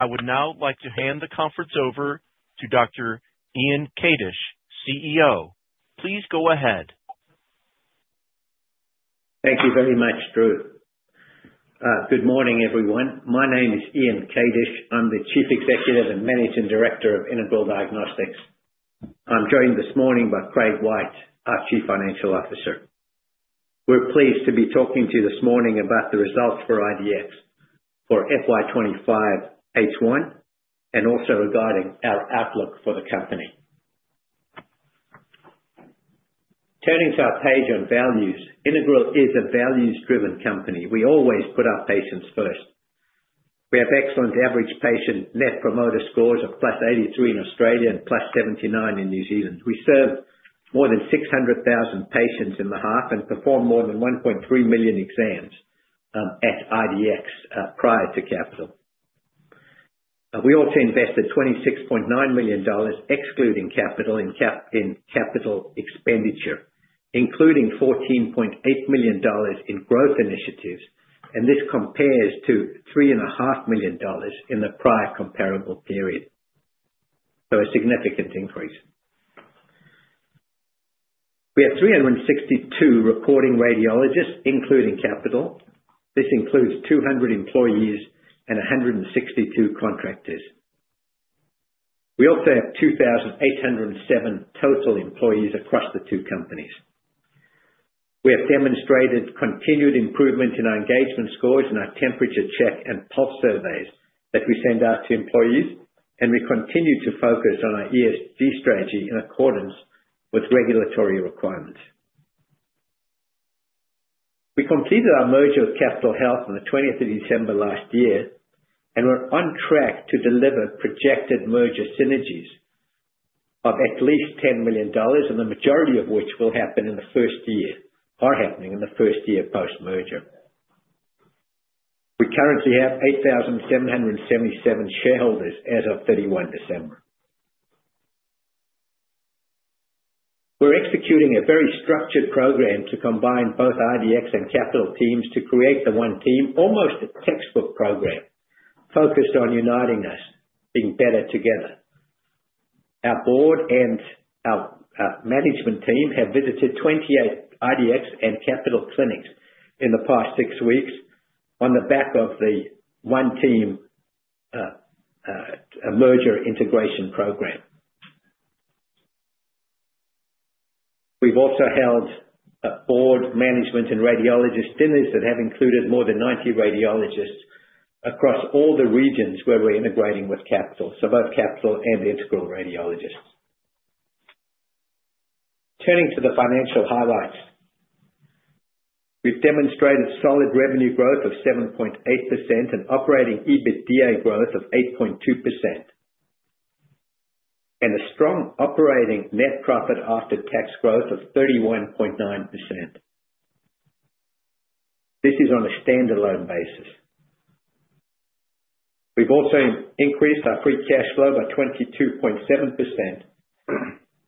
I would now like to hand the conference over to Dr. Ian Kadish, CEO. Please go ahead. Thank you very much, Drew. Good morning, everyone. My name is Ian Kadish. I'm the Chief Executive and Managing Director of Integral Diagnostics. I'm joined this morning by Craig White, our Chief Financial Officer. We're pleased to be talking to you this morning about the results for IDX for FY25H1, and also regarding our outlook for the company. Turning to our page on values, Integral is a values-driven company. We always put our patients first. We have excellent average patient Net Promoter Scores of plus 83 in Australia and plus 79 in New Zealand. We serve more than 600,000 patients in the half and performed more than 1.3 million exams at IDX prior to Capitol. We also invested 26.9 million dollars excluding Capitol in Capitol expenditure, including 14.8 million dollars in growth initiatives, and this compares to 3.5 million dollars in the prior comparable period, so a significant increase. We have 362 reporting radiologists, including Capitol. This includes 200 employees and 162 contractors. We also have 2,807 total employees across the two companies. We have demonstrated continued improvement in our engagement scores and our temperature check and pulse surveys that we send out to employees, and we continue to focus on our ESG strategy in accordance with regulatory requirements. We completed our merger with Capitol Health on the 20th of December last year, and we're on track to deliver projected merger synergies of at least 10 million dollars, and the majority of which will happen in the first year or happening in the first year post-merger. We currently have 8,777 shareholders as of 31 December. We're executing a very structured program to combine both IDX and Capitol teams to create the one team, almost a textbook program focused on uniting us, being better together. Our board and our management team have visited 28 IDX and Capitol clinics in the past six weeks on the back of the one team merger integration program. We've also held board management and radiologist dinners that have included more than 90 radiologists across all the regions where we're integrating with Capitol, so both Capitol and Integral radiologists. Turning to the financial highlights, we've demonstrated solid revenue growth of 7.8% and operating EBITDA growth of 8.2%, and a strong operating net profit after tax growth of 31.9%. This is on a standalone basis. We've also increased our free capital flow by 22.7%,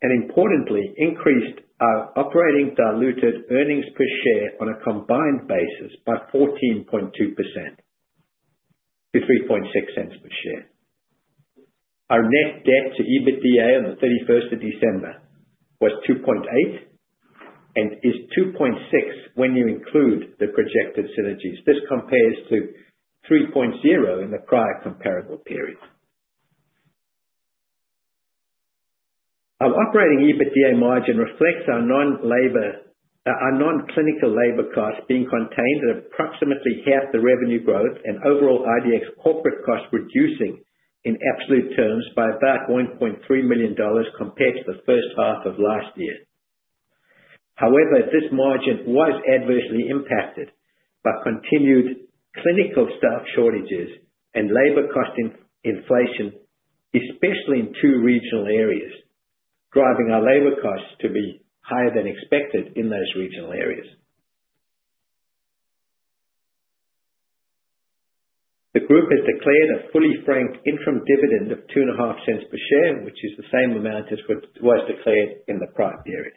and importantly, increased our operating diluted earnings per share on a combined basis by 14.2% to 3.6 cents per share. Our net debt to EBITDA on the 31st of December was 2.8 and is 2.6 when you include the projected synergies. This compares to 3.0 in the prior comparable period. Our operating EBITDA margin reflects our non-clinical labor costs being contained at approximately half the revenue growth and overall IDX corporate costs reducing in absolute terms by about 1.3 million dollars compared to the first half of last year. However, this margin was adversely impacted by continued clinical staff shortages and labor cost inflation, especially in two regional areas, driving our labor costs to be higher than expected in those regional areas. The group has declared a fully franked interim dividend of 0.025 per share, which is the same amount as was declared in the prior period.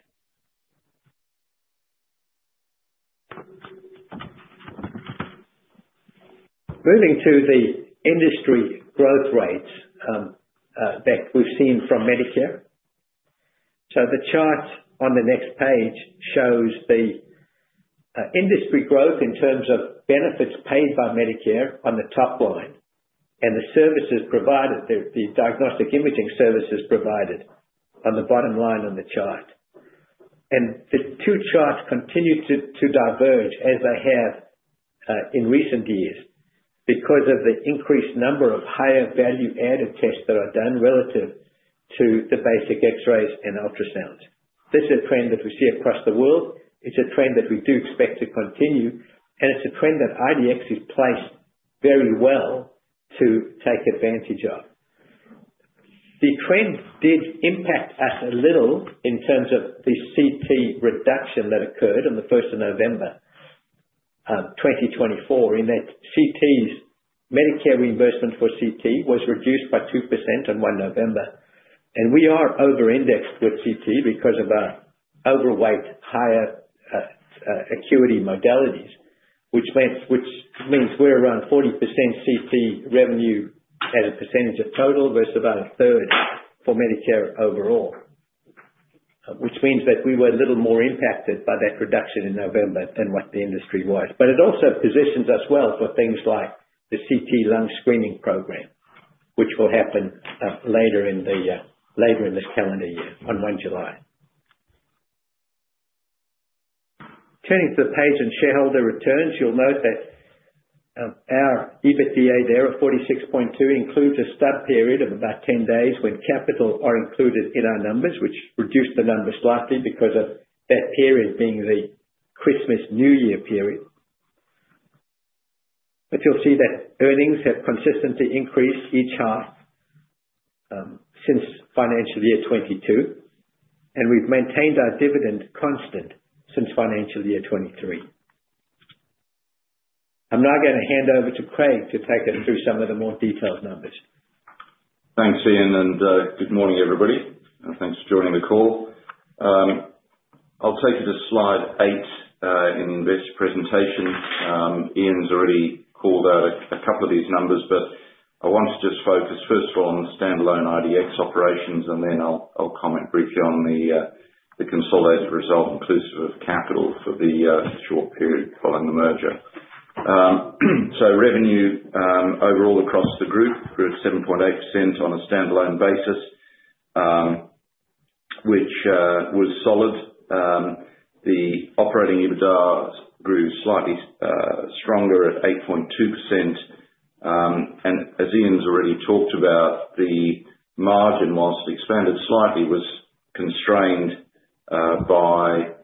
Moving to the industry growth rates that we've seen from Medicare. So, the chart on the next page shows the industry growth in terms of benefits paid by Medicare on the top line and the services provided, the diagnostic imaging services provided on the bottom line on the chart. And the two charts continue to diverge as they have in recent years because of the increased number of higher value-added tests that are done relative to the basic X-rays and ultrasounds. This is a trend that we see across the world. It's a trend that we do expect to continue, and it's a trend that IDX has placed very well to take advantage of. The trend did impact us a little in terms of the CT reduction that occurred on the 1st of November 2024, in that CTs, Medicare reimbursement for CT was reduced by 2% on 1 November. We are over-indexed with CT because of our overweight higher acuity modalities, which means we're around 40% CT revenue as a percentage of total versus about a third for Medicare overall, which means that we were a little more impacted by that reduction in November than what the industry was. It also positions us well for things like the CT lung screening program, which will happen later in this calendar year on 1 July. Turning to the page on shareholder returns, you'll note that our EBITDA there of 46.2 includes a stub period of about 10 days when Capitol are included in our numbers, which reduced the numbers slightly because of that period being the Christmas-New Year period. You'll see that earnings have consistently increased each half since financial year 2022, and we've maintained our dividend constant since financial year 2023. I'm now going to hand over to Craig to take us through some of the more detailed numbers. Thanks, Ian, and good morning, everybody. Thanks for joining the call. I'll take you to slide eight in this presentation. Ian's already called out a couple of these numbers, but I want to just focus first of all on the standalone IDX operations, and then I'll comment briefly on the consolidated result, inclusive of Capitol, for the short period following the merger. So, revenue overall across the group grew 7.8% on a standalone basis, which was solid. The operating EBITDA grew slightly stronger at 8.2%. And as Ian's already talked about, the margin, whilst it expanded slightly, was constrained by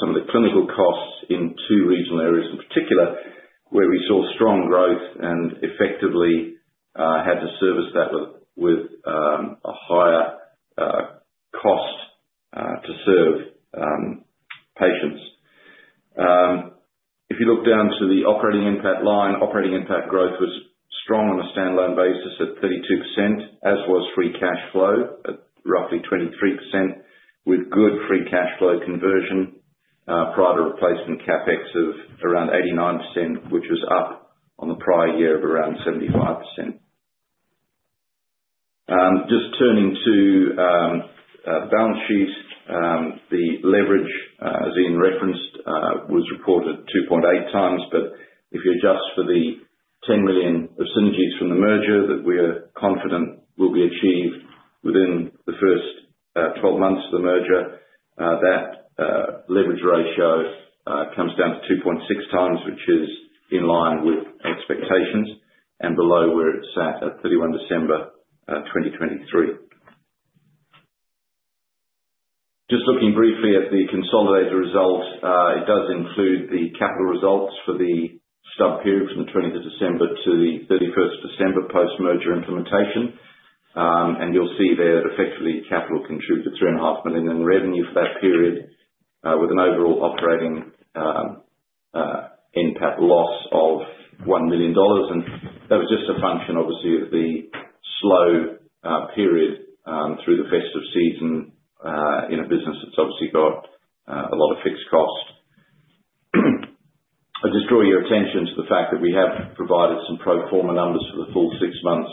some of the clinical costs in two regional areas in particular, where we saw strong growth and effectively had to service that with a higher cost to serve patients. If you look down to the operating NPAT line, operating NPAT growth was strong on a standalone basis at 32%, as was free Capitol flow at roughly 23%, with good free Capitol flow conversion, prior to replacement CapEx of around 89%, which was up on the prior year of around 75%. Just turning to the balance sheet, the leverage, as Ian referenced, was reported 2.8 times, but if you adjust for the 10 million of synergies from the merger that we are confident will be achieved within the first 12 months of the merger, that leverage ratio comes down to 2.6 times, which is in line with expectations and below where it sat at 31 December 2023. Just looking briefly at the consolidated result, it does include the Capitol results for the stub period from the 20th of December to the 31st of December post-merger implementation. You'll see there that effectively Capitol contributed 3.5 million in revenue for that period, with an overall operating NPAT loss of 1 million dollars. That was just a function, obviously, of the slow period through the festive season in a business that's obviously got a lot of fixed cost. I'll just draw your attention to the fact that we have provided some pro forma numbers for the full six months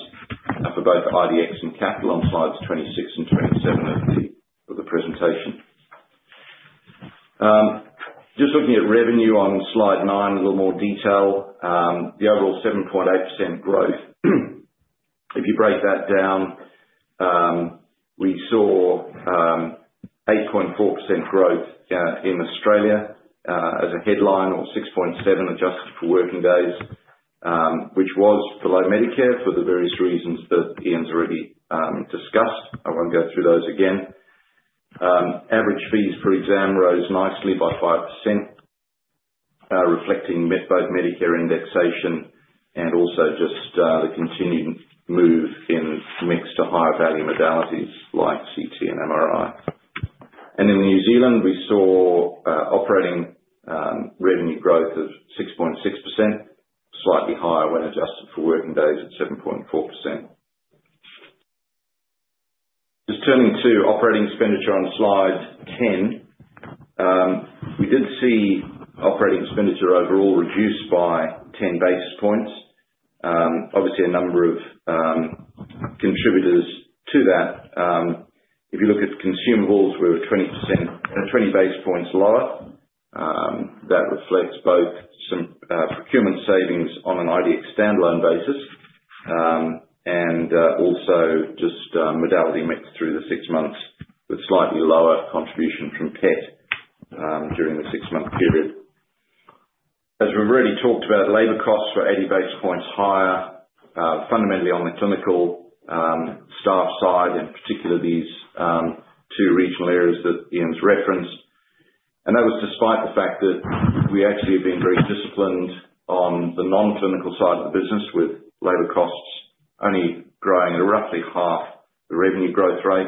for both IDX and Capitol on slides 26 and 27 of the presentation. Just looking at revenue on slide nine, a little more detail, the overall 7.8% growth. If you break that down, we saw 8.4% growth in Australia as a headline or 6.7% adjusted for working days, which was below Medicare for the various reasons that Ian's already discussed. I won't go through those again. Average fees for exam rose nicely by 5%, reflecting both Medicare indexation and also just the continued move in mix to higher value modalities like CT and MRI, and in New Zealand, we saw operating revenue growth of 6.6%, slightly higher when adjusted for working days at 7.4%. Just turning to operating expenditure on slide 10, we did see operating expenditure overall reduced by 10 basis points. Obviously, a number of contributors to that. If you look at consumables, we were 20 basis points lower. That reflects both some procurement savings on an IDX standalone basis and also just modality mix through the six months with slightly lower contribution from PET during the six-month period. As we've already talked about, labor costs were 80 basis points higher, fundamentally on the clinical staff side, in particular these two regional areas that Ian's referenced. And that was despite the fact that we actually have been very disciplined on the non-clinical side of the business, with labor costs only growing at roughly half the revenue growth rate,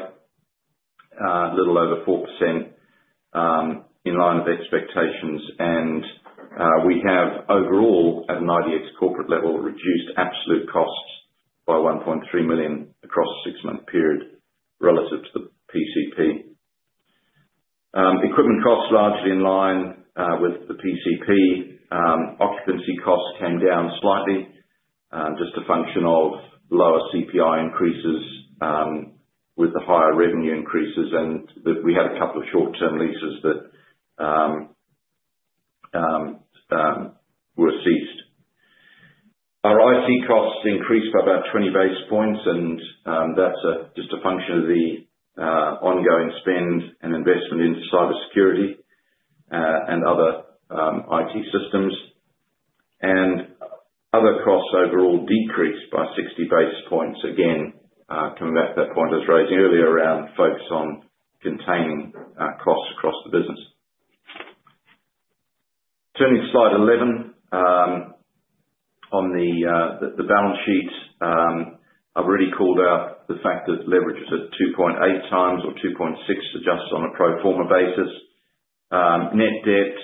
a little over 4% in line with expectations. And we have overall, at an IDX corporate level, reduced absolute costs by 1.3 million across the six-month period relative to the PCP. Equipment costs largely in line with the PCP. Occupancy costs came down slightly, just a function of lower CPI increases with the higher revenue increases, and we had a couple of short-term leases that were ceased. Our IT costs increased by about 20 basis points, and that's just a function of the ongoing spend and investment in cybersecurity and other IT systems. Other costs overall decreased by 60 basis points, again, coming back to that point I was raising earlier around focus on containing costs across the business. Turning to slide 11 on the balance sheet, I've already called out the fact that leverage is at 2.8 times or 2.6 adjusted on a pro forma basis. Net debt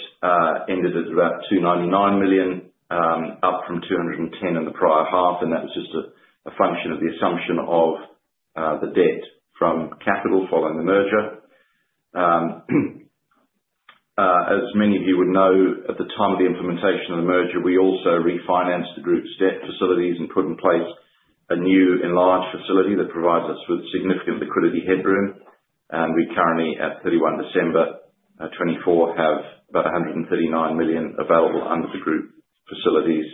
ended at about 299 million, up from 210 million in the prior half, and that was just a function of the assumption of the debt from Capitol following the merger. As many of you would know, at the time of the implementation of the merger, we also refinanced the group's debt facilities and put in place a new enlarged facility that provides us with significant liquidity headroom. We currently, at 31 December 2024, have about 139 million available under the group facilities,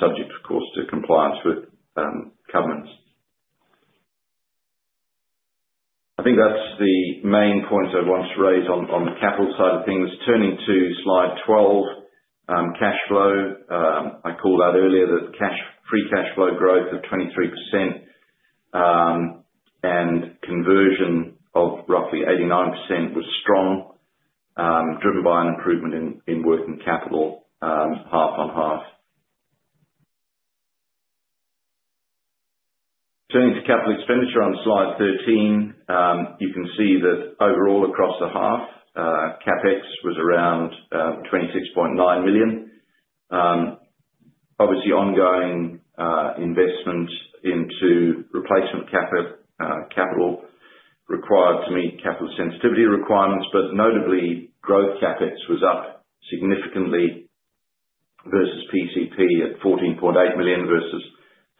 subject, of course, to compliance with covenants. I think that's the main points I want to raise on the Capitol side of things. Turning to slide 12, Capitol flow, I called out earlier that free Capitol flow growth of 23% and conversion of roughly 89% was strong, driven by an improvement in working Capitol half on half. Turning to Capital expenditure on slide 13, you can see that overall across the half, CapEx was around 26.9 million. Obviously, ongoing investment into replacement CapEx Capitol required to meet Capitol sensitivity requirements, but notably, growth CapEx was up significantly versus PCP at 14.8 million versus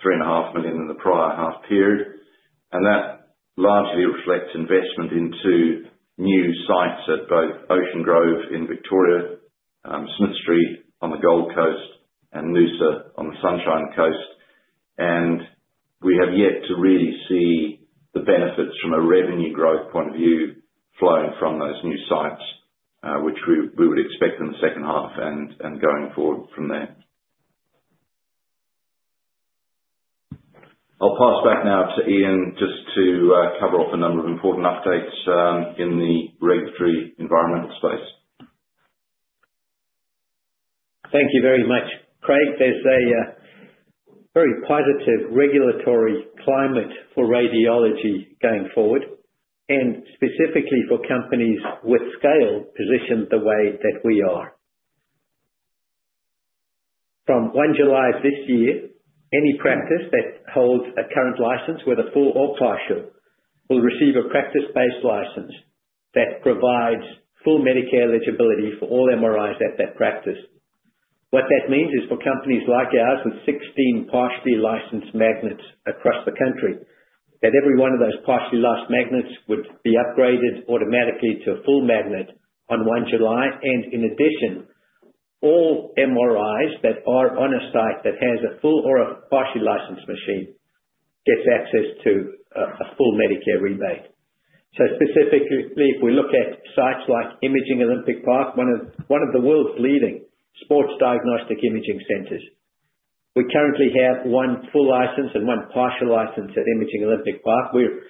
3.5 million in the prior half period. And that largely reflects investment into new sites at both Ocean Grove in Victoria, Smith Street on the Gold Coast, and Noosa on the Sunshine Coast. We have yet to really see the benefits from a revenue growth point of view flowing from those new sites, which we would expect in the second half and going forward from there. I'll pass back now to Ian just to cover off a number of important updates in the regulatory environmental space. Thank you very much, Craig. There's a very positive regulatory climate for radiology going forward, and specifically for companies with scale positioned the way that we are. From 1 July of this year, any practice that holds a current license, whether full or partial, will receive a practice-based license that provides full Medicare eligibility for all MRIs at that practice. What that means is for companies like ours with 16 partially licensed magnets across the country, that every one of those partially licensed magnets would be upgraded automatically to a full magnet on 1 July, and in addition, all MRIs that are on a site that has a full or a partially licensed machine gets access to a full Medicare rebate. So specifically, if we look at sites like Imaging Olympic Park, one of the world's leading sports diagnostic imaging centers, we currently have one full license and one partial license at Imaging Olympic Park. We're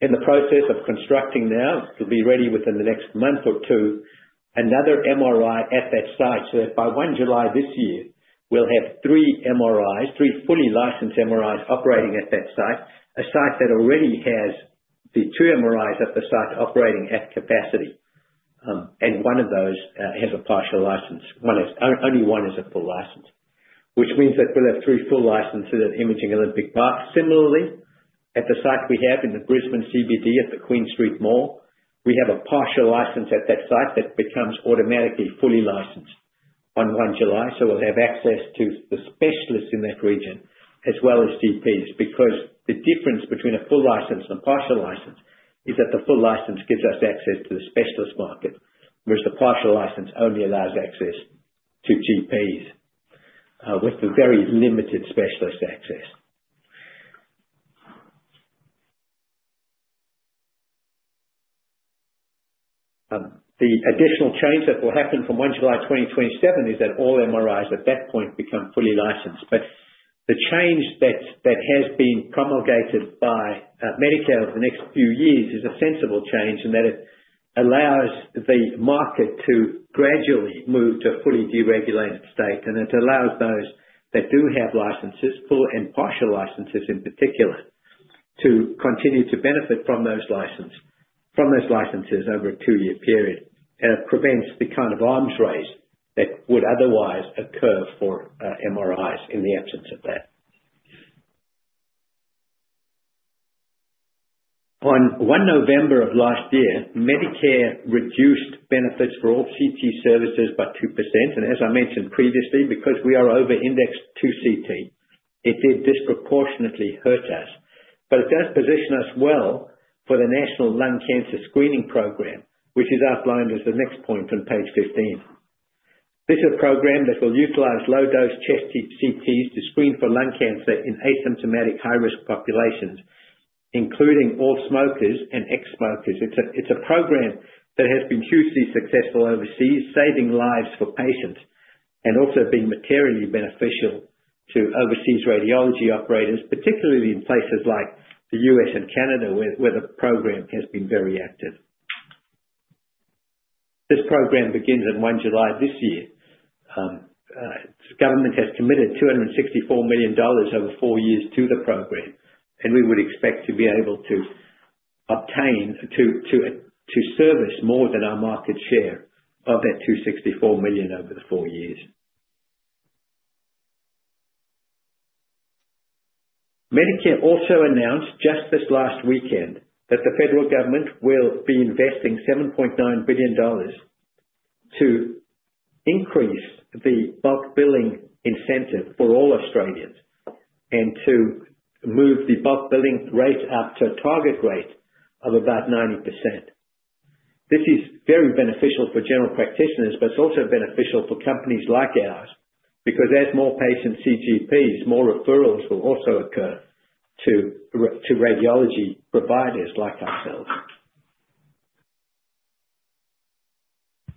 in the process of constructing now to be ready within the next month or two another MRI at that site. So by 1 July this year, we'll have three MRIs, three fully licensed MRIs operating at that site, a site that already has the two MRIs at the site operating at capacity, and one of those has a partial license. Only one is a full license, which means that we'll have three full licenses at Imaging Olympic Park. Similarly, at the site we have in the Brisbane CBD at the Queen Street Mall, we have a partial license at that site that becomes automatically fully licensed on 1 July. We'll have access to the specialists in that region as well as GPs, because the difference between a full license and a partial license is that the full license gives us access to the specialist market, whereas the partial license only allows access to GPs with very limited specialist access. The additional change that will happen from 1 July 2027 is that all MRIs at that point become fully licensed. But the change that has been promulgated by Medicare over the next few years is a sensible change in that it allows the market to gradually move to a fully deregulated state, and it allows those that do have licenses, full and partial licenses in particular, to continue to benefit from those licenses over a two-year period. It prevents the kind of arms race that would otherwise occur for MRIs in the absence of that. On 1 November of last year, Medicare reduced benefits for all CT services by 2%. And as I mentioned previously, because we are over-indexed to CT, it did disproportionately hurt us, but it does position us well for the National Lung Cancer Screening Program, which is outlined as the next point on page 15. This is a program that will utilize low-dose chest CTs to screen for lung cancer in asymptomatic high-risk populations, including all smokers and ex-smokers. It's a program that has been hugely successful overseas, saving lives for patients and also being materially beneficial to overseas radiology operators, particularly in places like the US and Canada, where the program has been very active. This program begins on 1 July this year. The government has committed 264 million dollars over four years to the program, and we would expect to be able to obtain to service more than our market share of that 264 million over the four years. Medicare also announced just this last weekend that the federal government will be investing 7.9 billion dollars to increase the bulk billing incentive for all Australians and to move the bulk billing rate up to a target rate of about 90%. This is very beneficial for general practitioners, but it's also beneficial for companies like ours because as more patients see GPs, more referrals will also occur to radiology providers like ourselves.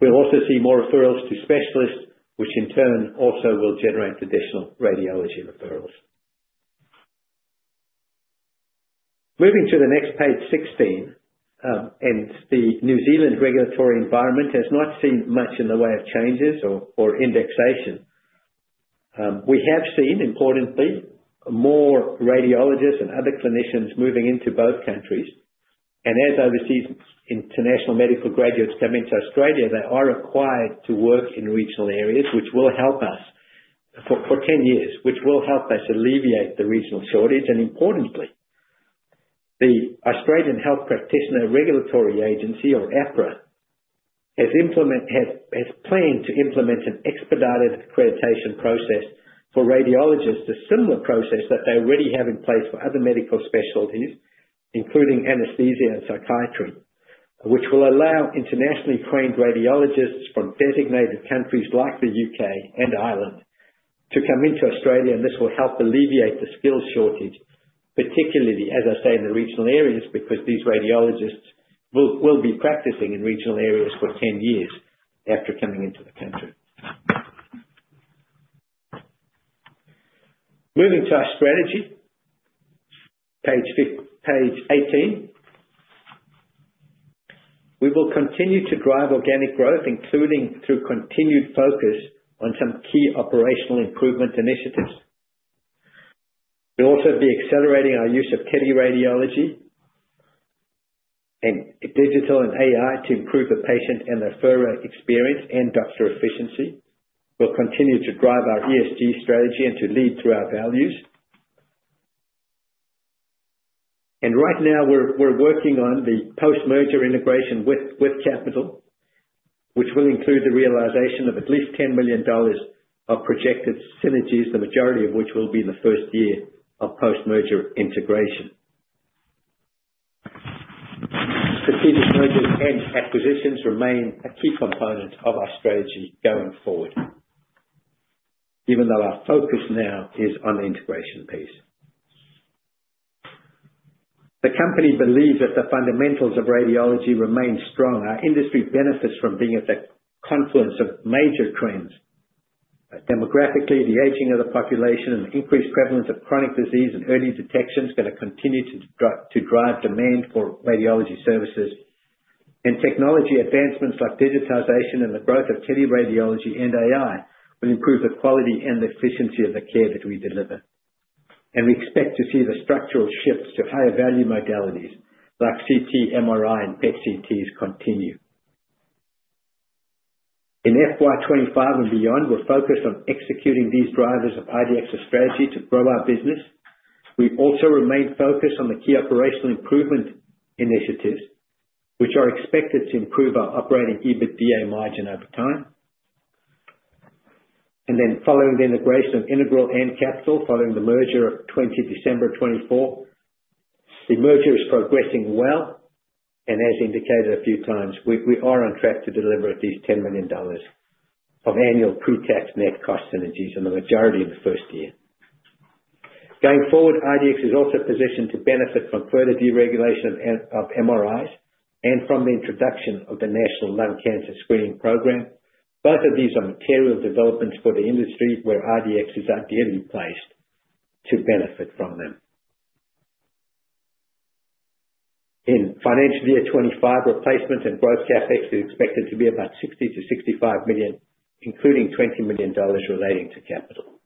We'll also see more referrals to specialists, which in turn also will generate additional radiology referrals. Moving to the next page, 16, and the New Zealand regulatory environment has not seen much in the way of changes or indexation. We have seen, importantly, more radiologists and other clinicians moving into both countries. And as overseas international medical graduates come into Australia, they are required to work in regional areas, which will help us for 10 years, which will help us alleviate the regional shortage. And importantly, the Australian Health Practitioner Regulation Agency, or AHPRA, has planned to implement an expedited accreditation process for radiologists, a similar process that they already have in place for other medical specialties, including anesthesia and psychiatry, which will allow internationally trained radiologists from designated countries like the UK and Ireland to come into Australia. And this will help alleviate the skill shortage, particularly, as I say, in the regional areas, because these radiologists will be practicing in regional areas for 10 years after coming into the country. Moving to our strategy, page 18, we will continue to drive organic growth, including through continued focus on some key operational improvement initiatives. We'll also be accelerating our use of teleradiology and digital and AI to improve the patient and referrer experience and doctor efficiency. We'll continue to drive our ESG strategy and to lead through our values, and right now, we're working on the post-merger integration with Capital, which will include the realization of at least 10 million dollars of projected synergies, the majority of which will be in the first year of post-merger integration. Strategic mergers and acquisitions remain a key component of our strategy going forward, even though our focus now is on the integration piece. The company believes that the fundamentals of radiology remain strong. Our industry benefits from being at the confluence of major trends. Demographically, the aging of the population and the increased prevalence of chronic disease and early detection is going to continue to drive demand for radiology services. And technology advancements like digitization and the growth of teleradiology and AI will improve the quality and the efficiency of the care that we deliver. And we expect to see the structural shifts to higher value modalities like CT, MRI, and PET CTs continue. In FY 25 and beyond, we're focused on executing these drivers of IDX's strategy to grow our business. We also remain focused on the key operational improvement initiatives, which are expected to improve our operating EBITDA margin over time. And then following the integration of Integral and Capitol, following the merger of 20 December 2024, the merger is progressing well. As indicated a few times, we are on track to deliver at least 10 million dollars of annual pre-tax net cost synergies in the majority of the first year. Going forward, IDX is also positioned to benefit from further deregulation of MRIs and from the introduction of the National Lung Cancer Screening Program. Both of these are material developments for the industry where IDX is ideally placed to benefit from them. In financial year 2025, replacement and growth CapEx is expected to be about 60-65 million, including 20 million dollars relating to Capitol.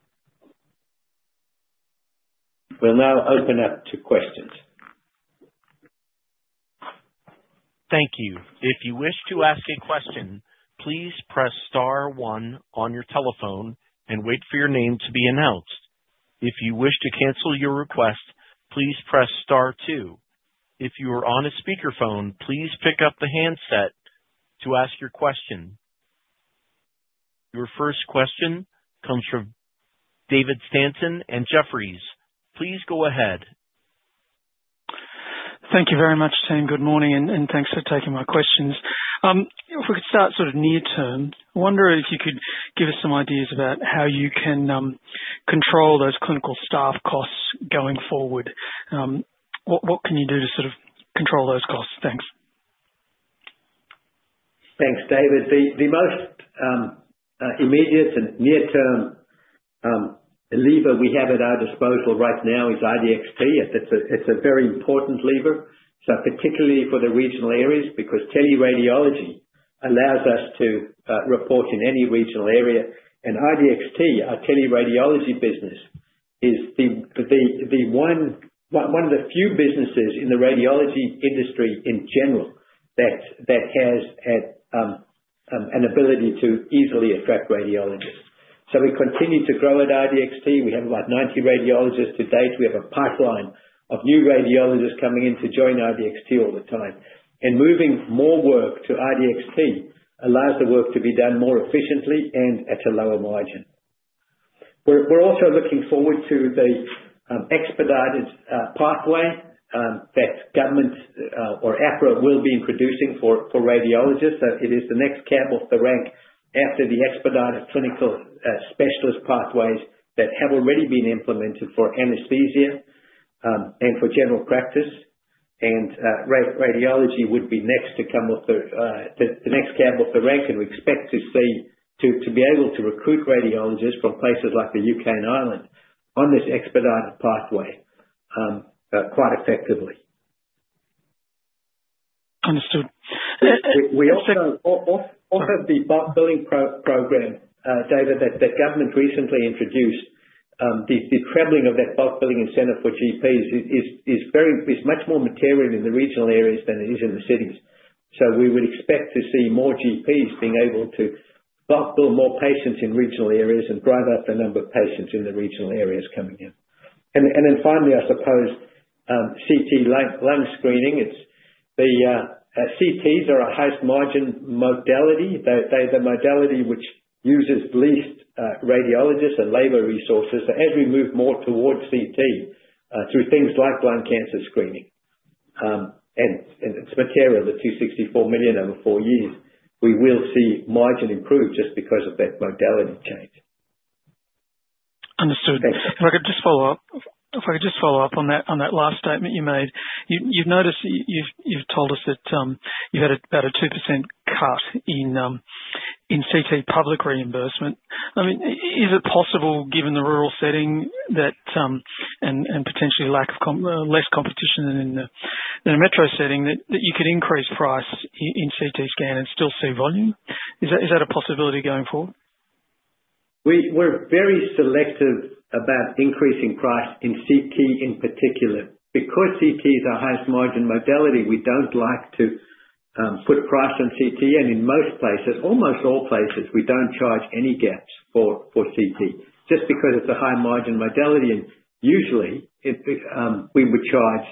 We'll now open up to questions. Thank you. If you wish to ask a question, please press star one on your telephone and wait for your name to be announced. If you wish to cancel your request, please press star two. If you are on a speakerphone, please pick up the handset to ask your question. Your first question comes from David Stanton from Jefferies. Please go ahead. Thank you very much, Tim. Good morning, and thanks for taking my questions. If we could start sort of near term, I wonder if you could give us some ideas about how you can control those clinical staff costs going forward. What can you do to sort of control those costs? Thanks. Thanks, David. The most immediate and near-term lever we have at our disposal right now is IDXt. It's a very important lever, particularly for the regional areas, because teleradiology allows us to report in any regional area. And IDXt, our teleradiology business, is one of the few businesses in the radiology industry in general that has an ability to easily attract radiologists. So we continue to grow at IDXt. We have about 90 radiologists to date. We have a pipeline of new radiologists coming in to join IDXt all the time. And moving more work to IDXt allows the work to be done more efficiently and at a lower margin. We're also looking forward to the expedited pathway that government or AHPRA will be introducing for radiologists. It is the next cab off the rank after the expedited clinical specialist pathways that have already been implemented for anesthesia and for general practice. And radiology would be next to come with the next cab off the rank, and we expect to be able to recruit radiologists from places like the U.K. and Ireland on this expedited pathway quite effectively. Understood. We also have the bulk billing program, David, that government recently introduced. The traveling of that bulk billing incentive for GPs is much more material in the regional areas than it is in the cities. So we would expect to see more GPs being able to bulk bill more patients in regional areas and drive up the number of patients in the regional areas coming in. And then finally, I suppose, CT lung screening. CTs are a highest margin modality. They're the modality which uses least radiologists and labor resources. As we move more towards CT through things like lung cancer screening, and it's material, the 264 million over four years, we will see margin improve just because of that modality change. Understood. If I could just follow up on that last statement you made. You've told us that you've had about a 2% cut in CT public reimbursement. I mean, is it possible, given the rural setting and potentially less competition than in the metro setting, that you could increase price in CT scan and still see volume? Is that a possibility going forward? We're very selective about increasing price in CT in particular. Because CT is our highest margin modality, we don't like to put price on CT. And in most places, almost all places, we don't charge any gaps for CT just because it's a high margin modality. And usually, we would charge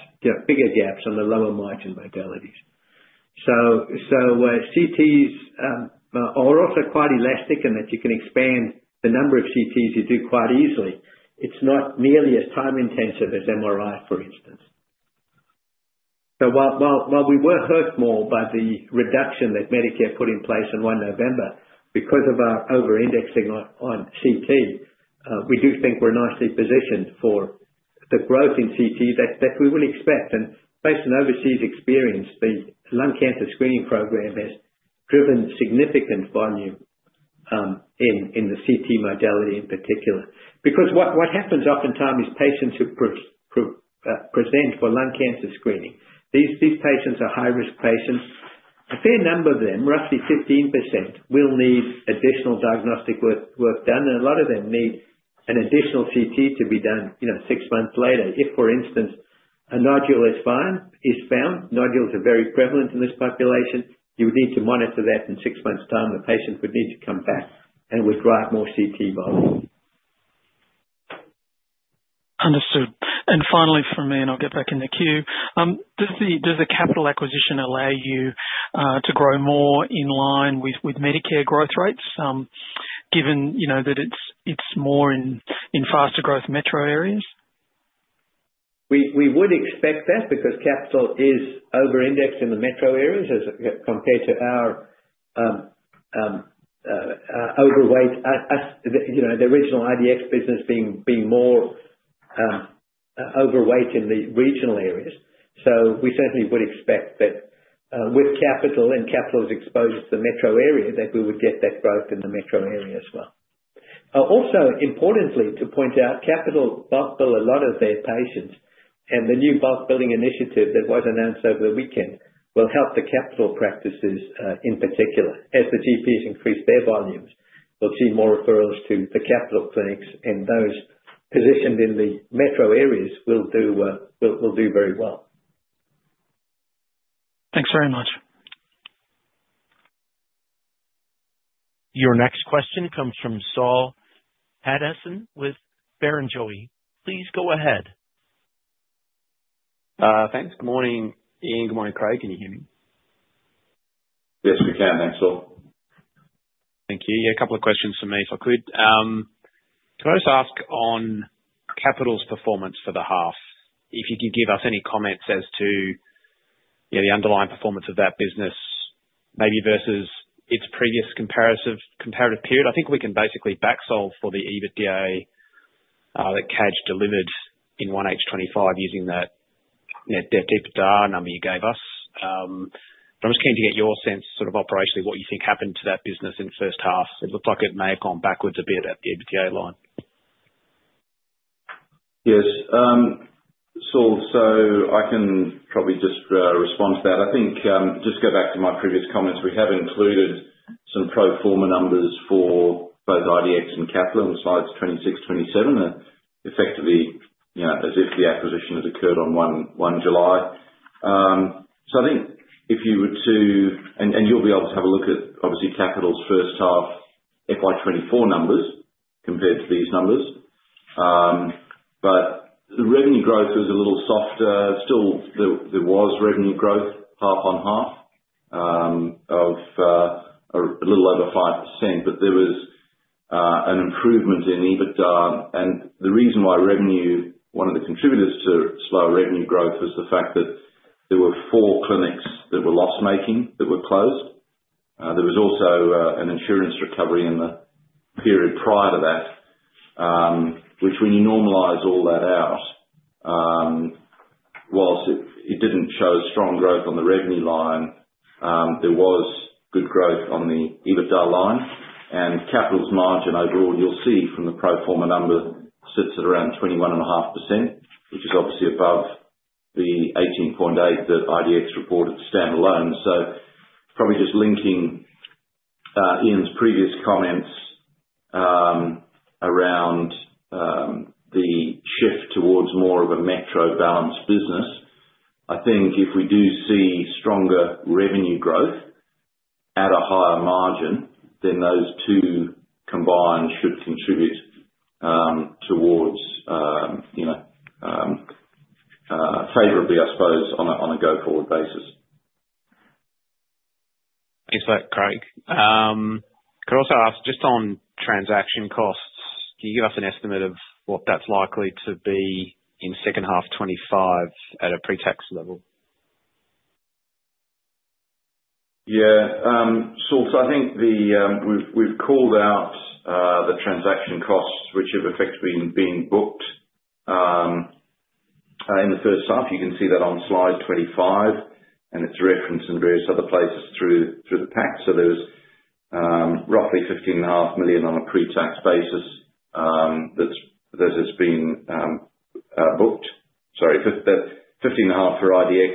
bigger gaps on the lower margin modalities. So CTs are also quite elastic in that you can expand the number of CTs you do quite easily. It's not nearly as time intensive as MRI, for instance. So while we were hurt more by the reduction that Medicare put in place on 1 November because of our over-indexing on CT, we do think we're nicely positioned for the growth in CT that we would expect. And based on overseas experience, the lung cancer screening program has driven significant volume in the CT modality in particular. Because what happens oftentimes is patients who present for lung cancer screening, these patients are high-risk patients. A fair number of them, roughly 15%, will need additional diagnostic work done, and a lot of them need an additional CT to be done six months later. If, for instance, a nodule is found, nodules are very prevalent in this population, you would need to monitor that in six months' time. The patient would need to come back and would drive more CT volume. Understood. And finally for me, and I'll get back in the queue, does the Capitol acquisition allow you to grow more in line with Medicare growth rates given that it's more in faster growth metro areas? We would expect that because Capitol is over-indexed in the metro areas compared to our overweight, the original IDX business being more overweight in the regional areas. So we certainly would expect that with Capitol and Capitol's exposure to the metro area, that we would get that growth in the metro area as well. Also, importantly, to point out, Capitol bulk bill a lot of their patients. And the new bulk billing initiative that was announced over the weekend will help the Capitol practices in particular. As the GPs increase their volumes, we'll see more referrals to the Capitol clinics. And those positioned in the metro areas will do very well. Thanks very much. Your next question comes from Saul Hadassin with Barrenjoey. Please go ahead. Thanks. Good morning, Ian. Good morning, Craig. Can you hear me? Yes, we can. Thanks, Saul. Thank you. Yeah, a couple of questions for me, if I could. Can I just ask on Capitol's performance for the half? If you can give us any comments as to the underlying performance of that business, maybe versus its previous comparative period, I think we can basically backsolve for the EBITDA that Capitol delivered in 1H25 using that deep data number you gave us. But I'm just keen to get your sense sort of operationally what you think happened to that business in the first half. It looked like it may have gone backwards a bit at the EBITDA line. Yes. Saul, so I can probably just respond to that. I think just go back to my previous comments. We have included some pro forma numbers for both IDX and Capitol on slides 26, 27, effectively as if the acquisition had occurred on 1 July. So I think if you were to, and you'll be able to have a look at, obviously, Capitol's first half FY 2024 numbers compared to these numbers. But revenue growth was a little softer. Still, there was revenue growth, half on half, of a little over 5%. But there was an improvement in EBITDA. And the reason why revenue, one of the contributors to slower revenue growth was the fact that there were four clinics that were loss-making that were closed. There was also an insurance recovery in the period prior to that, which when you normalize all that out, while it didn't show strong growth on the revenue line, there was good growth on the EBITDA line. And Capitol's margin overall, you'll see from the pro forma number, sits at around 21.5%, which is obviously above the 18.8% that IDX reported standalone. So probably just linking Ian's previous comments around the shift towards more of a metro-balanced business, I think if we do see stronger revenue growth at a higher margin, then those two combined should contribute towards favorably, I suppose, on a go-forward basis. Thanks for that, Craig. Could I also ask just on transaction costs? Can you give us an estimate of what that's likely to be in second half 2025 at a pre-tax level? Yeah. Saul, so I think we've called out the transaction costs, which have effectively been booked in the first half. You can see that on slide 25, and it's referenced in various other places through the PACs. So there was roughly 15.5 million on a pre-tax basis that has been booked. Sorry, 15.5 for IDX,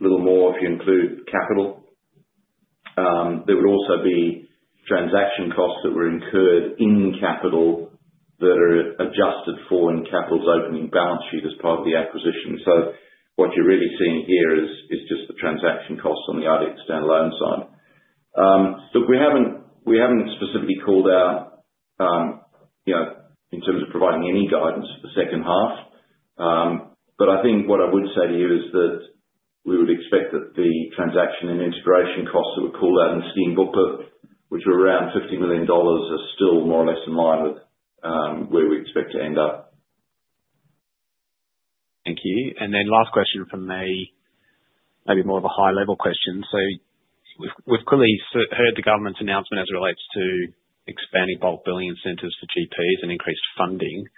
a little more if you include Capitol. There would also be transaction costs that were incurred in Capitol that are adjusted for in Capitol's opening balance sheet as part of the acquisition. So what you're really seeing here is just the transaction costs on the IDX standalone side. Look, we haven't specifically called out in terms of providing any guidance for the second half. I think what I would say to you is that we would expect that the transaction and integration costs that were called out in the scheme booklet, which were around 50 million dollars, are still more or less in line with where we expect to end up. Thank you. And then last question from me, maybe more of a high-level question. So we've clearly heard the government's announcement as it relates to expanding bulk billing incentives for GPs and increased funding.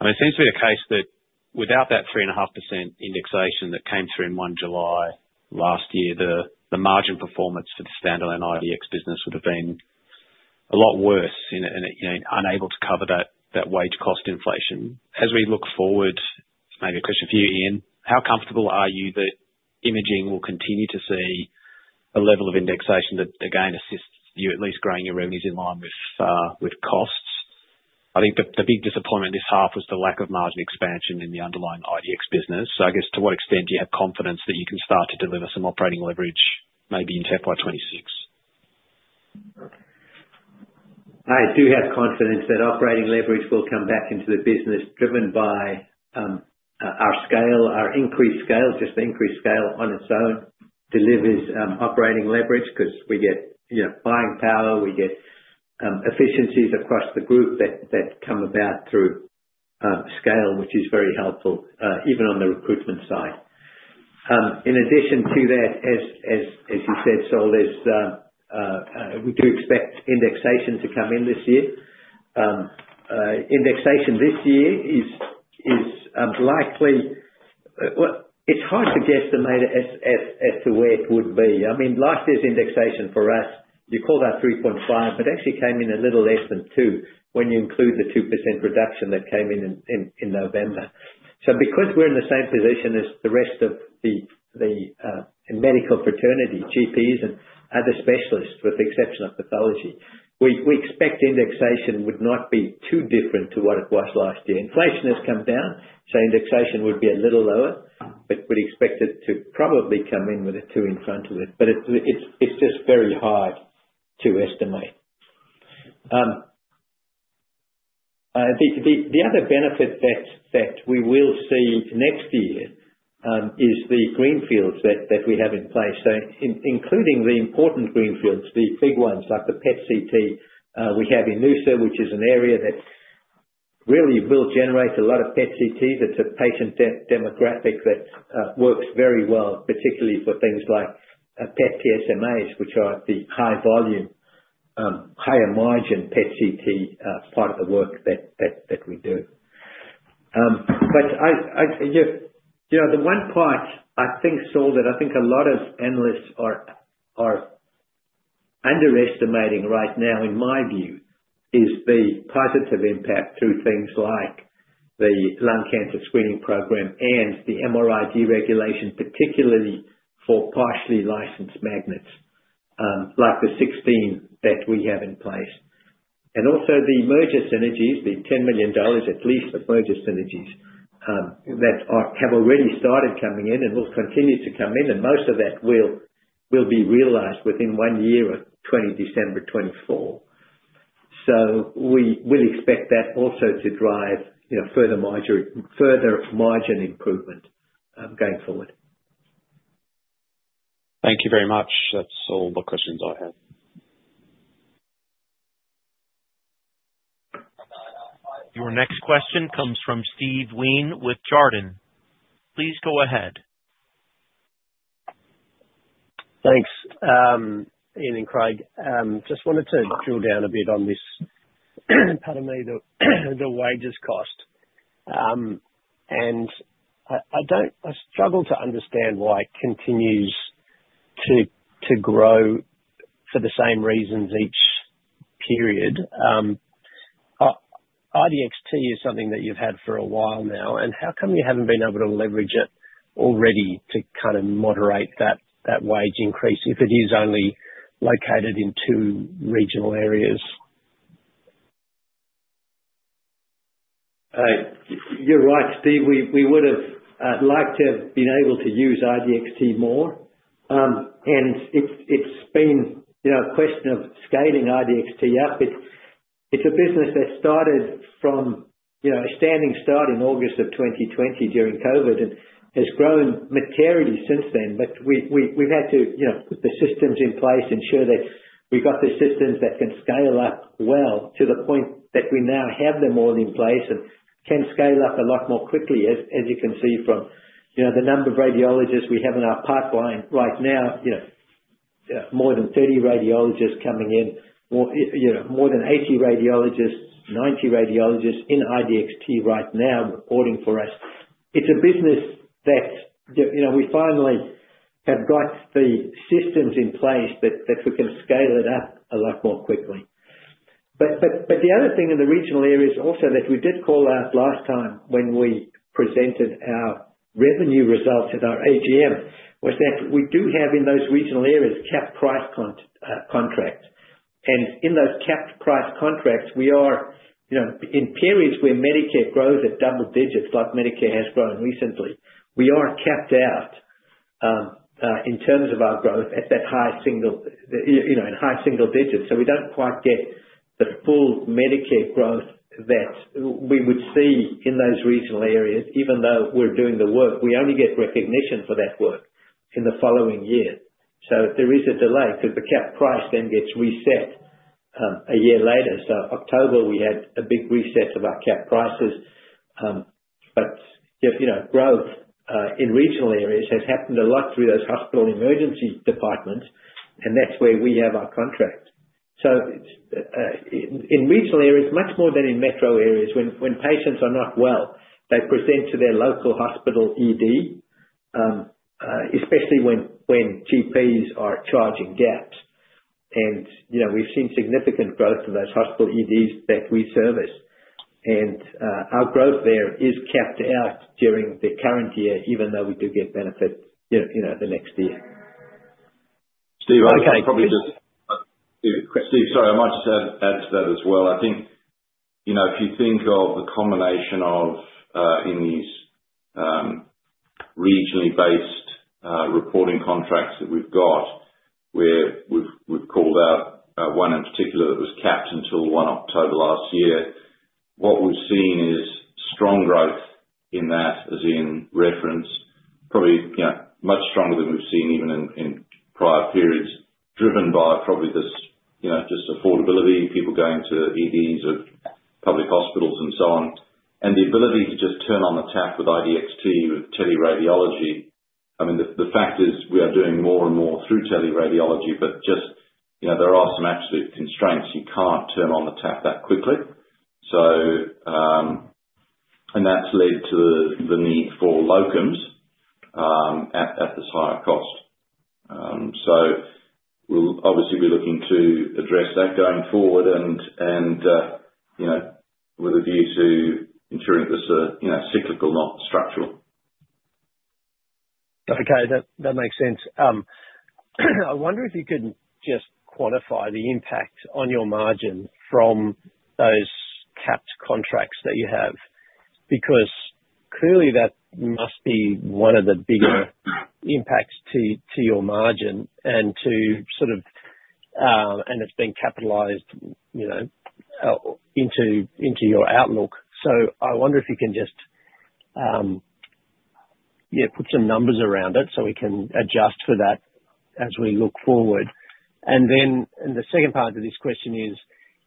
I mean, it seems to be the case that without that 3.5% indexation that came through in 1 July last year, the margin performance for the standalone IDX business would have been a lot worse and unable to cover that wage cost inflation. As we look forward, maybe a question for you, Ian, how comfortable are you that imaging will continue to see a level of indexation that, again, assists you at least growing your revenues in line with costs? I think the big disappointment this half was the lack of margin expansion in the underlying IDX business. So I guess to what extent do you have confidence that you can start to deliver some operating leverage maybe in FY 26? I do have confidence that operating leverage will come back into the business driven by our increased scale. Just the increased scale on its own delivers operating leverage because we get buying power. We get efficiencies across the group that come about through scale, which is very helpful even on the recruitment side. In addition to that, as you said, Saul, we do expect indexation to come in this year. Indexation this year is likely, it's hard to guess the meter as to where it would be. I mean, last year's indexation for us, you called out 3.5, but it actually came in a little less than 2 when you include the 2% reduction that came in in November. Because we're in the same position as the rest of the medical fraternity, GPs and other specialists with the exception of pathology, we expect indexation would not be too different to what it was last year. Inflation has come down, so indexation would be a little lower, but we'd expect it to probably come in with a 2 in front of it. But it's just very hard to estimate. The other benefit that we will see next year is the greenfields that we have in place. So including the important greenfields, the big ones like the PET CT we have in Noosa, which is an area that really will generate a lot of PET CTs. It's a patient demographic that works very well, particularly for things like PET PSMAs, which are the high-volume, higher-margin PET CT part of the work that we do. But the one part, I think, Saul, that I think a lot of analysts are underestimating right now, in my view, is the positive impact through things like the lung cancer screening program and the MRI deregulation, particularly for partially licensed magnets like the 16 that we have in place. And also the merger synergies, the 10 million dollars at least of merger synergies that have already started coming in and will continue to come in. And most of that will be realized within one year of 20 December 2024. So we will expect that also to drive further margin improvement going forward. Thank you very much. That's all the questions I had. Your next question comes from Steve Wheen with Jarden. Please go ahead. Thanks, Ian and Craig. Just wanted to drill down a bit on this part of the wages cost. I struggle to understand why it continues to grow for the same reasons each period. IDXT is something that you've had for a while now. How come you haven't been able to leverage it already to kind of moderate that wage increase if it is only located in two regional areas? You're right, Steve. We would have liked to have been able to use IDXT more, and it's been a question of scaling IDXT up. It's a business that started from a standing start in August of 2020 during COVID and has grown materially since then, but we've had to put the systems in place, ensure that we've got the systems that can scale up well to the point that we now have them all in place and can scale up a lot more quickly, as you can see from the number of radiologists we have in our pipeline right now, more than 30 radiologists coming in, more than 80 radiologists, 90 radiologists in IDXT right now reporting for us. It's a business that we finally have got the systems in place that we can scale it up a lot more quickly. But the other thing in the regional areas also that we did call out last time when we presented our revenue results at our AGM was that we do have in those regional areas capped price contracts. And in those capped price contracts, we are in periods where Medicare grows at double digits, like Medicare has grown recently, we are capped out in terms of our growth at that high single in high single digits. So we don't quite get the full Medicare growth that we would see in those regional areas, even though we're doing the work. We only get recognition for that work in the following year. So there is a delay because the cap price then gets reset a year later. So October, we had a big reset of our cap prices. But growth in regional areas has happened a lot through those hospital emergency departments, and that's where we have our contract. So in regional areas, much more than in metro areas, when patients are not well, they present to their local hospital ED, especially when GPs are charging gaps. And we've seen significant growth in those hospital EDs that we service. And our growth there is capped out during the current year, even though we do get benefit the next year. Steve, sorry, I might just add to that as well. I think if you think of the combination of, in these regionally-based reporting contracts that we've got, where we've called out one in particular that was capped until 1 October last year, what we've seen is strong growth in that, as Ian referenced, probably much stronger than we've seen even in prior periods, driven by probably just affordability, people going to EDs of public hospitals and so on. And the ability to just turn on the tap with IDXT with teleradiology. I mean, the fact is we are doing more and more through teleradiology, but just there are some absolute constraints. You can't turn on the tap that quickly. And that's led to the need for locums at this higher cost. So obviously, we're looking to address that going forward and with a view to ensuring this is cyclical, not structural. Okay. That makes sense. I wonder if you could just quantify the impact on your margin from those capped contracts that you have because clearly that must be one of the bigger impacts to your margin and to sort of, and it's been Capitolized into your outlook. So I wonder if you can just put some numbers around it so we can adjust for that as we look forward. And then the second part of this question is,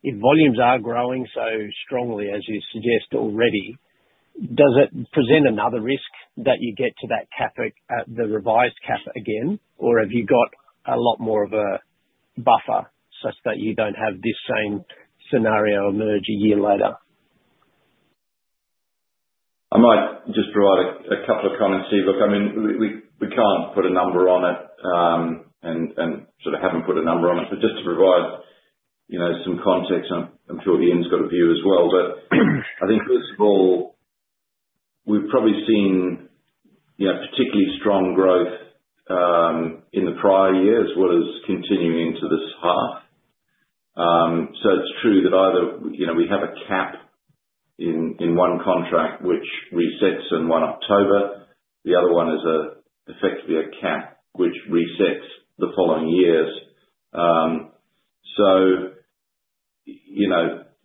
if volumes are growing so strongly, as you suggest already, does it present another risk that you get to that cap at the revised cap again? Or have you got a lot more of a buffer such that you don't have this same scenario emerge a year later? I might just provide a couple of comments, Steve. Look, I mean, we can't put a number on it and sort of haven't put a number on it. But just to provide some context, and I'm sure Ian's got a view as well. But I think, first of all, we've probably seen particularly strong growth in the prior year as well as continuing into this half. So it's true that either we have a cap in one contract, which resets in 1 October. The other one is effectively a cap, which resets the following years. So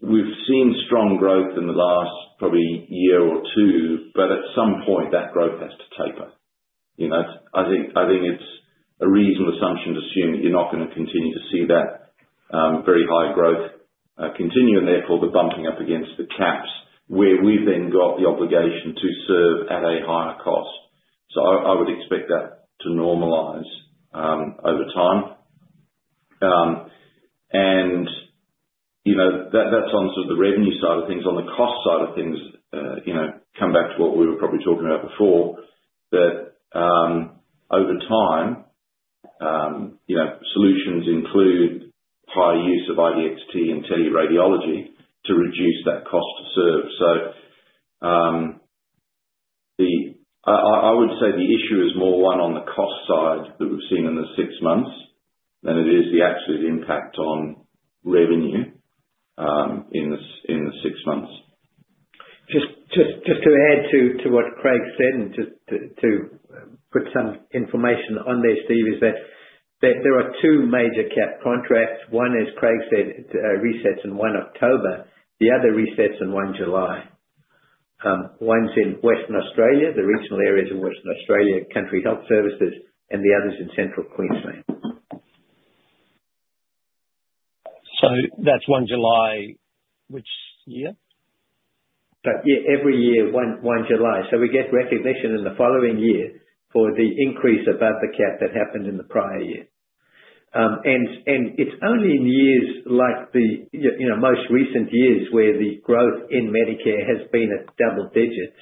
we've seen strong growth in the last probably year or two, but at some point, that growth has to taper. I think it's a reasonable assumption to assume that you're not going to continue to see that very high growth continue and therefore the bumping up against the caps where we've then got the obligation to serve at a higher cost. So I would expect that to normalize over time, and that's on sort of the revenue side of things. On the cost side of things, come back to what we were probably talking about before, that over time, solutions include higher use of IDXT and teleradiology to reduce that cost to serve, so I would say the issue is more one on the cost side that we've seen in the six months than it is the absolute impact on revenue in the six months. Just to add to what Craig said and just to put some information on there, Steve, is that there are two major cap contracts. One is, Craig said, resets in 1 October. The other resets in 1 July. One's in Western Australia, the regional areas of Western Australia Country Health Service and the other's in Central Queensland. So that's 1 July, which year? Every year, 1 July, so we get recognition in the following year for the increase above the cap that happened in the prior year, and it's only in years like the most recent years where the growth in Medicare has been at double digits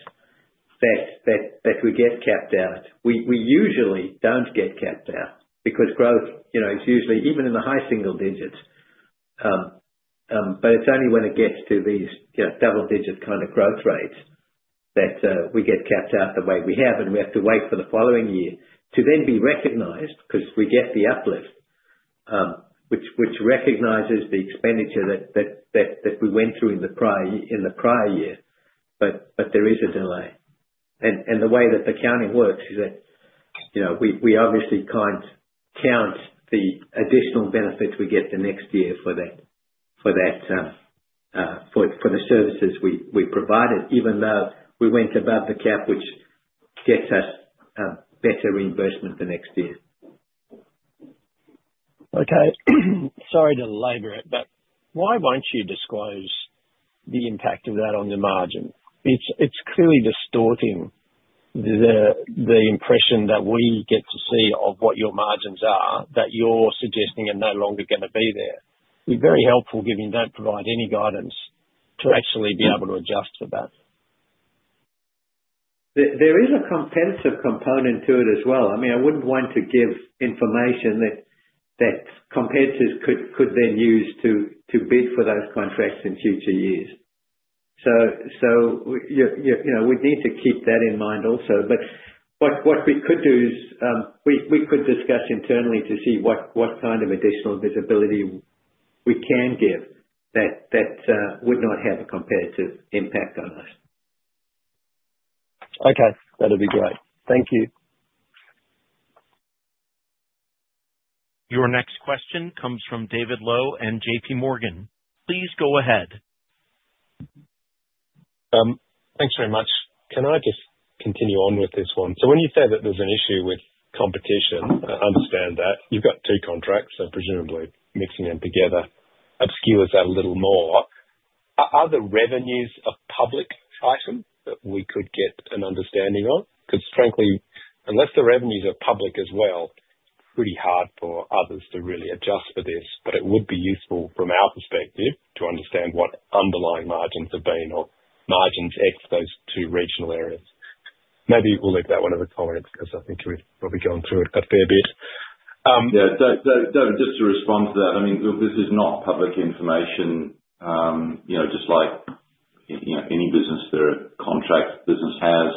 that we get capped out. We usually don't get capped out because growth is usually even in the high single digits, but it's only when it gets to these double-digit kind of growth rates that we get capped out the way we have, and we have to wait for the following year to then be recognized because we get the uplift, which recognizes the expenditure that we went through in the prior year, but there is a delay. The way that the counting works is that we obviously can't count the additional benefits we get the next year for the services we provided, even though we went above the cap, which gets us better reimbursement the next year. Okay. Sorry to labor it, but why won't you disclose the impact of that on the margin? It's clearly distorting the impression that we get to see of what your margins are that you're suggesting are no longer going to be there. It'd be very helpful given you don't provide any guidance to actually be able to adjust for that. There is a competitive component to it as well. I mean, I wouldn't want to give information that competitors could then use to bid for those contracts in future years. So we'd need to keep that in mind also. But what we could do is we could discuss internally to see what kind of additional visibility we can give that would not have a competitive impact on us. Okay. That'd be great. Thank you. Your next question comes from David Low from J.P. Morgan. Please go ahead. Thanks very much. Can I just continue on with this one? So when you say that there's an issue with competition, I understand that. You've got two contracts. So presumably, mixing them together obscures that a little more. Are the revenues a public item that we could get an understanding of? Because frankly, unless the revenues are public as well, it's pretty hard for others to really adjust for this. But it would be useful from our perspective to understand what underlying margins have been or margins ex those two regional areas. Maybe we'll leave that one to the comments because I think we've probably gone through it a fair bit. Yeah. David, just to respond to that, I mean, this is not public information just like any business that a contract business has.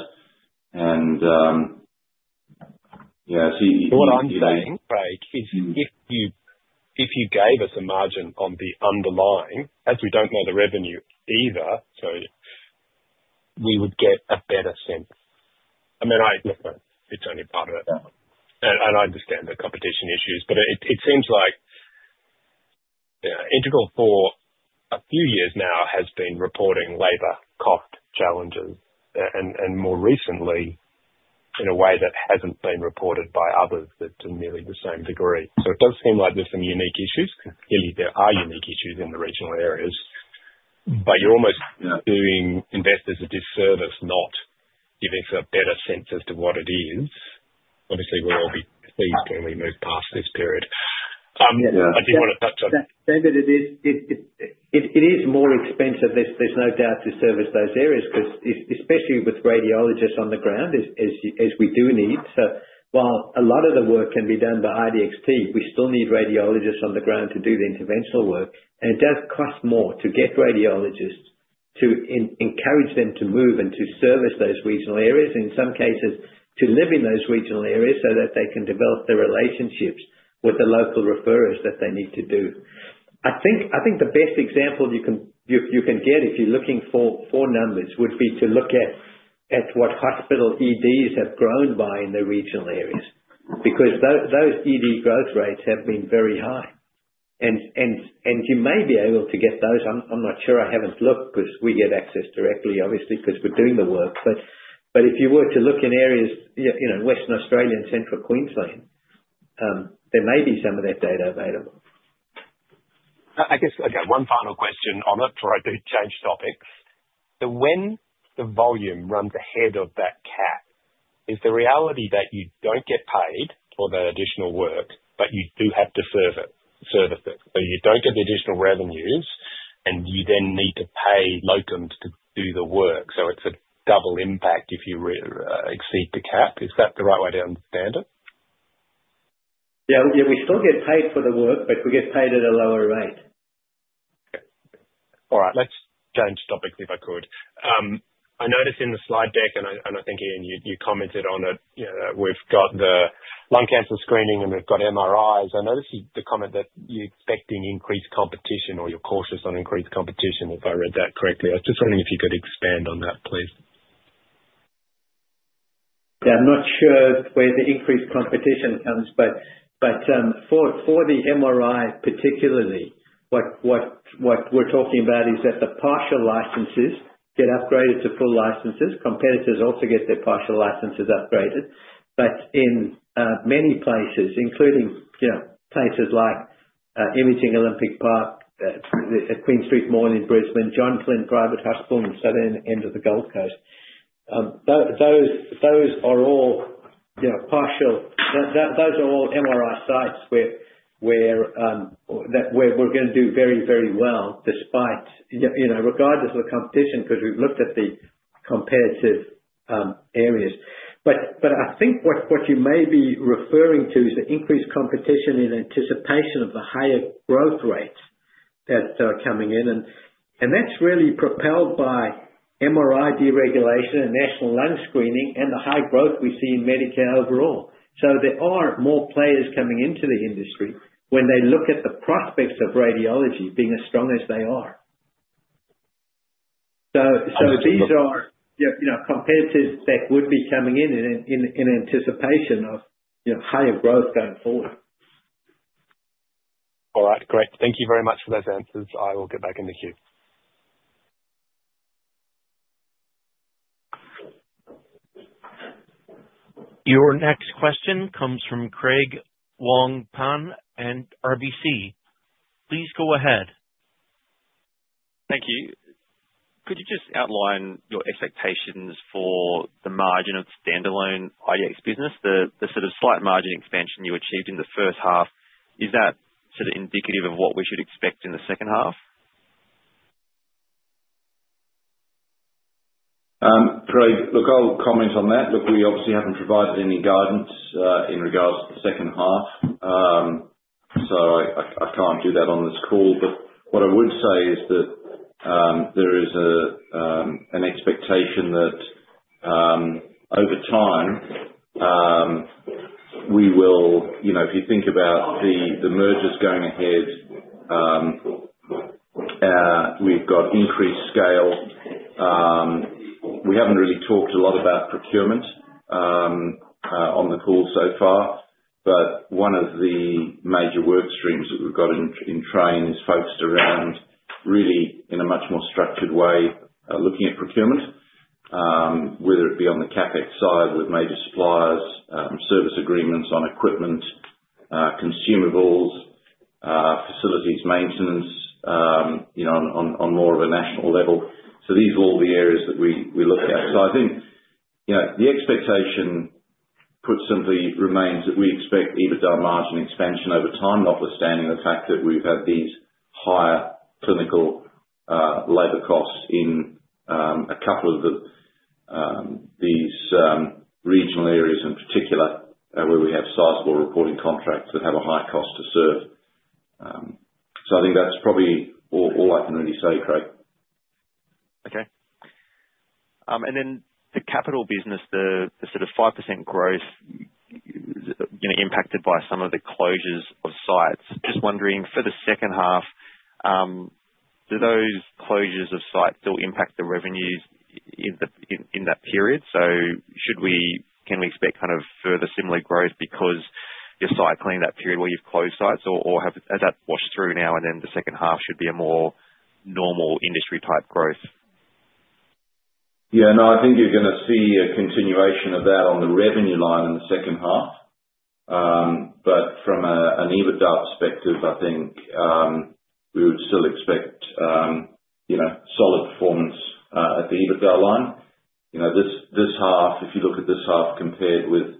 And yeah, see. What I'm saying, Craig, is if you gave us a margin on the underlying, as we don't know the revenue either, so we would get a better sense. I mean, it's only part of it. And I understand the competition issues. But it seems like Integral for a few years now has been reporting labor cost challenges and more recently in a way that hasn't been reported by others to nearly the same degree. So it does seem like there's some unique issues. Clearly, there are unique issues in the regional areas. But you're almost doing investors a disservice not giving us a better sense as to what it is. Obviously, we'll all be pleased when we move past this period. I didn't want to touch on. David, it is more expensive. There's no doubt to service those areas because especially with radiologists on the ground, as we do need. So while a lot of the work can be done by IDXT, we still need radiologists on the ground to do the interventional work. And it does cost more to get radiologists to encourage them to move and to service those regional areas and in some cases to live in those regional areas so that they can develop their relationships with the local referrers that they need to do. I think the best example you can get if you're looking for numbers would be to look at what hospital EDs have grown by in the regional areas because those ED growth rates have been very high. And you may be able to get those. I'm not sure. I haven't looked because we get access directly, obviously, because we're doing the work. But if you were to look in areas in Western Australia and Central Queensland, there may be some of that data available. I guess I've got one final question on it before I do change topics. So when the volume runs ahead of that cap, is the reality that you don't get paid for the additional work, but you do have to service it? So you don't get the additional revenues, and you then need to pay locums to do the work. So it's a double impact if you exceed the cap. Is that the right way to understand it? Yeah. We still get paid for the work, but we get paid at a lower rate. Okay. All right. Let's change topics if I could. I noticed in the slide deck, and I think, Ian, you commented on it, that we've got the lung cancer screening and we've got MRIs. I noticed the comment that you're expecting increased competition or you're cautious on increased competition, if I read that correctly. I was just wondering if you could expand on that, please. Yeah. I'm not sure where the increased competition comes. But for the MRI, particularly, what we're talking about is that the partial licenses get upgraded to full licenses. Competitors also get their partial licenses upgraded. But in many places, including places like Imaging Olympic Park, Queen Street Mall in Brisbane, John Flynn Private Hospital in the southern end of the Gold Coast, those are all partial. Those are all MRI sites where we're going to do very, very well despite regardless of the competition because we've looked at the competitive areas. But I think what you may be referring to is the increased competition in anticipation of the higher growth rates that are coming in. And that's really propelled by MRI deregulation and national lung screening and the high growth we see in Medicare overall. So there are more players coming into the industry when they look at the prospects of radiology being as strong as they are. So these are competitors that would be coming in in anticipation of higher growth going forward. All right. Great. Thank you very much for those answers. I will get back in the queue. Your next question comes from Craig Wong-Pan and RBC. Please go ahead. Thank you. Could you just outline your expectations for the margin of standalone IDX business, the sort of slight margin expansion you achieved in the first half? Is that sort of indicative of what we should expect in the second half? Craig, look, I'll comment on that. Look, we obviously haven't provided any guidance in regards to the second half. So I can't do that on this call. But what I would say is that there is an expectation that over time, we will, if you think about the mergers going ahead, we've got increased scale. We haven't really talked a lot about procurement on the call so far. But one of the major work streams that we've got in train is focused around really in a much more structured way looking at procurement, whether it be on the CapEx side with major suppliers, service agreements on equipment, consumables, facilities maintenance on more of a national level. So these are all the areas that we look at. So I think the expectation put simply remains that we expect overall margin expansion over time, notwithstanding the fact that we've had these higher clinical labor costs in a couple of these regional areas in particular where we have sizable reporting contracts that have a high cost to serve. So I think that's probably all I can really say, Craig. Okay. And then the Capitol business, the sort of 5% growth impacted by some of the closures of sites. Just wondering, for the second half, do those closures of sites still impact the revenues in that period? So can we expect kind of further similar growth because you're cycling that period where you've closed sites? Or has that washed through now, and then the second half should be a more normal industry-type growth? Yeah. No, I think you're going to see a continuation of that on the revenue line in the second half. But from an EBITDA perspective, I think we would still expect solid performance at the EBITDA line. This half, if you look at this half compared with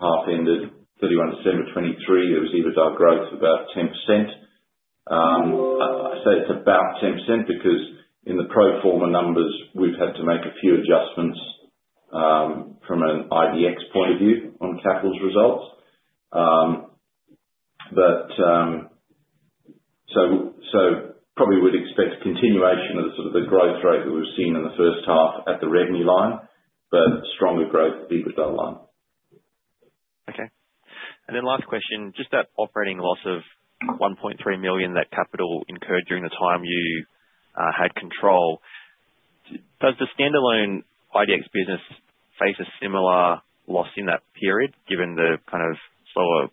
half ended 31 December 2023, there was EBITDA growth of about 10%. I say it's about 10% because in the pro forma numbers, we've had to make a few adjustments from an IDX point of view on Capitol's results. So probably would expect continuation of the sort of the growth rate that we've seen in the first half at the revenue line, but stronger growth at the EBITDA line. Okay. And then last question, just that operating loss of 1.3 million that Capitol incurred during the time you had control. Does the standalone IDX business face a similar loss in that period given the kind of slower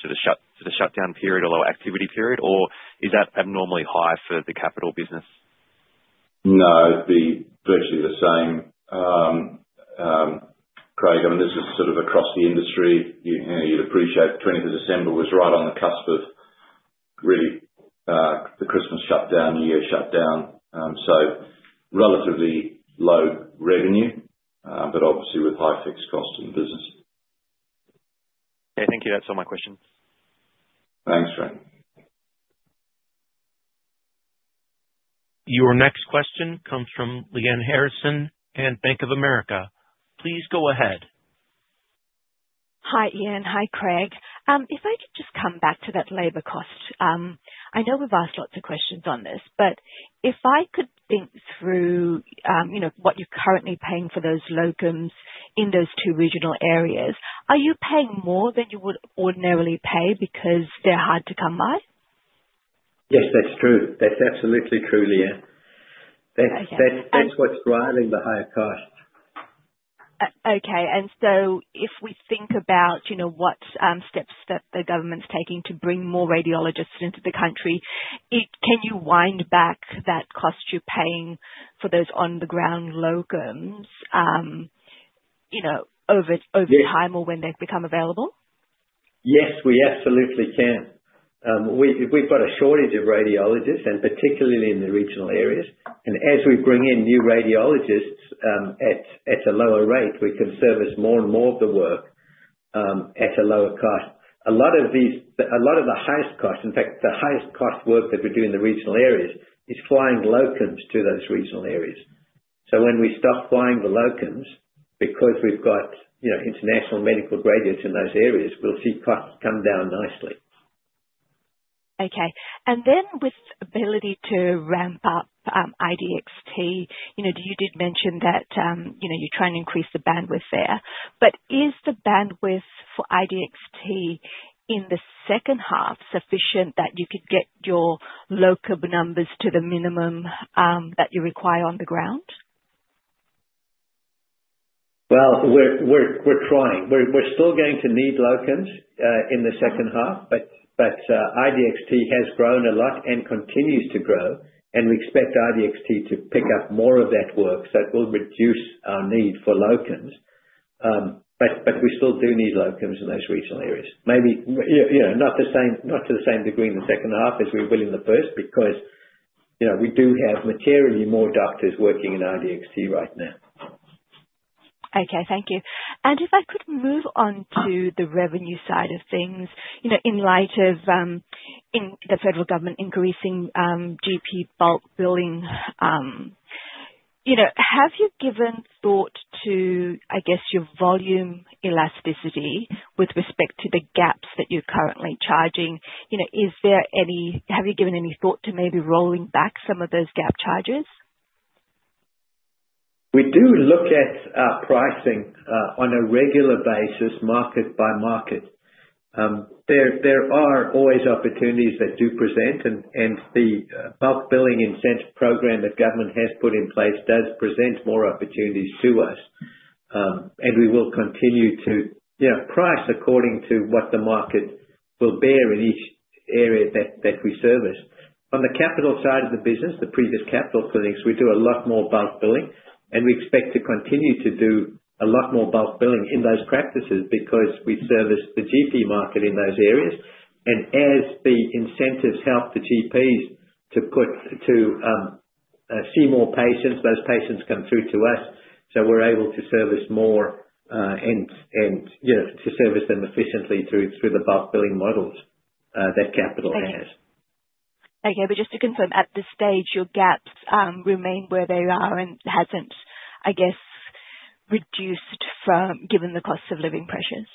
sort of shutdown period or lower activity period? Or is that abnormally high for the Capitol business? No, it'd be virtually the same. Craig, I mean, this is sort of across the industry. You'd appreciate 20th of December was right on the cusp of really the Christmas shutdown, New Year's shutdown. So relatively low revenue, but obviously with high fixed costs in the business. Okay. Thank you. That's all my questions. Thanks, Craig. Your next question comes from Lianne Harrison and Bank of America. Please go ahead. Hi, Ian. Hi, Craig. If I could just come back to that labor cost. I know we've asked lots of questions on this, but if I could think through what you're currently paying for those locums in those two regional areas, are you paying more than you would ordinarily pay because they're hard to come by? Yes, that's true. That's absolutely true, Lianne. That's what's driving the higher cost. Okay. And so if we think about what steps that the government's taking to bring more radiologists into the country, can you wind back that cost you're paying for those on-the-ground locums over time or when they become available? Yes, we absolutely can. We've got a shortage of radiologists, and particularly in the regional areas. And as we bring in new radiologists at a lower rate, we can service more and more of the work at a lower cost. A lot of the highest cost, in fact, the highest cost work that we do in the regional areas is flying locums to those regional areas. So when we stop flying the locums because we've got international medical graduates in those areas, we'll see costs come down nicely. Okay. And then with ability to ramp up IDXT, you did mention that you're trying to increase the bandwidth there. But is the bandwidth for IDXT in the second half sufficient that you could get your locum numbers to the minimum that you require on the ground? We're trying. We're still going to need locums in the second half, but IDXT has grown a lot and continues to grow. We expect IDXT to pick up more of that work so it will reduce our need for locums. We still do need locums in those regional areas. Maybe not to the same degree in the second half as we will in the first because we do have materially more doctors working in IDXT right now. Okay. Thank you, and if I could move on to the revenue side of things in light of the federal government increasing GP bulk billing, have you given thought to, I guess, your volume elasticity with respect to the gaps that you're currently charging? Have you given any thought to maybe rolling back some of those gap charges? We do look at pricing on a regular basis, market by market. There are always opportunities that do present, and the bulk billing incentive program that Government has put in place does present more opportunities to us, and we will continue to price according to what the market will bear in each area that we service. On the Capitol side of the business, the previous Capitol clinics, we do a lot more bulk billing, and we expect to continue to do a lot more bulk billing in those practices because we service the GP market in those areas, and as the incentives help the GPs to see more patients, those patients come through to us, so we're able to service more and to service them efficiently through the bulk billing models that Capitol has. Okay. But just to confirm, at this stage, your gaps remain where they are and hasn't, I guess, reduced given the cost of living pressures?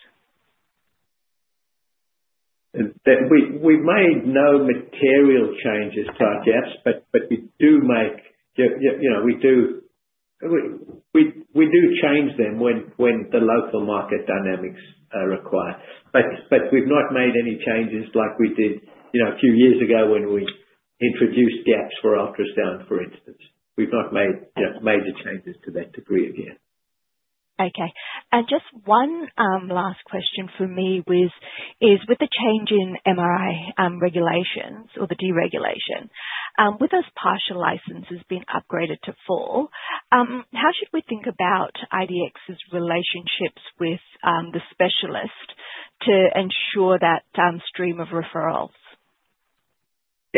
We've made no material changes to our gaps, but we do change them when the local market dynamics are required. But we've not made any changes like we did a few years ago when we introduced gaps for ultrasound, for instance. We've not made major changes to that degree again. Okay. And just one last question for me is, with the change in MRI regulations or the deregulation, with those partial licenses being upgraded to full, how should we think about IDX's relationships with the specialist to ensure that stream of referrals?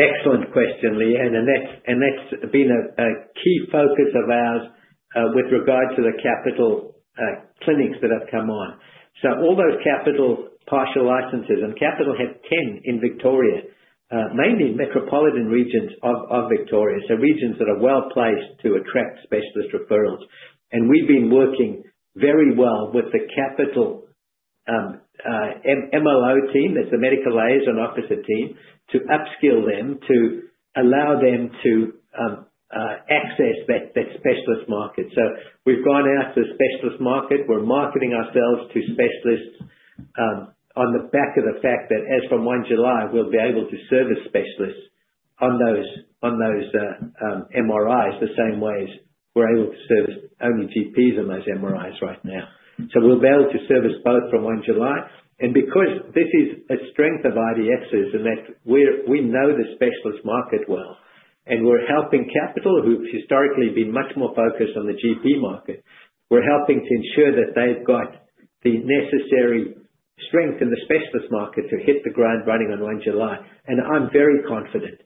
Excellent question, Lianne. And that's been a key focus of ours with regard to the Capitol clinics that have come on, so all those Capitol partial licenses and Capitol had 10 in Victoria, mainly metropolitan regions of Victoria, so regions that are well placed to attract specialist referrals. And we've been working very well with the Capitol MLO team, that's the medical liaison officer team, to upskill them to allow them to access that specialist market, so we've gone out to the specialist market. We're marketing ourselves to specialists on the back of the fact that as from 1 July, we'll be able to service specialists on those MRIs the same way as we're able to service only GPs on those MRIs right now, so we'll be able to service both from 1 July. And because this is a strength of IDX's in that we know the specialist market well and we're helping Capitol, who've historically been much more focused on the GP market, we're helping to ensure that they've got the necessary strength in the specialist market to hit the ground running on 1 July. And I'm very confident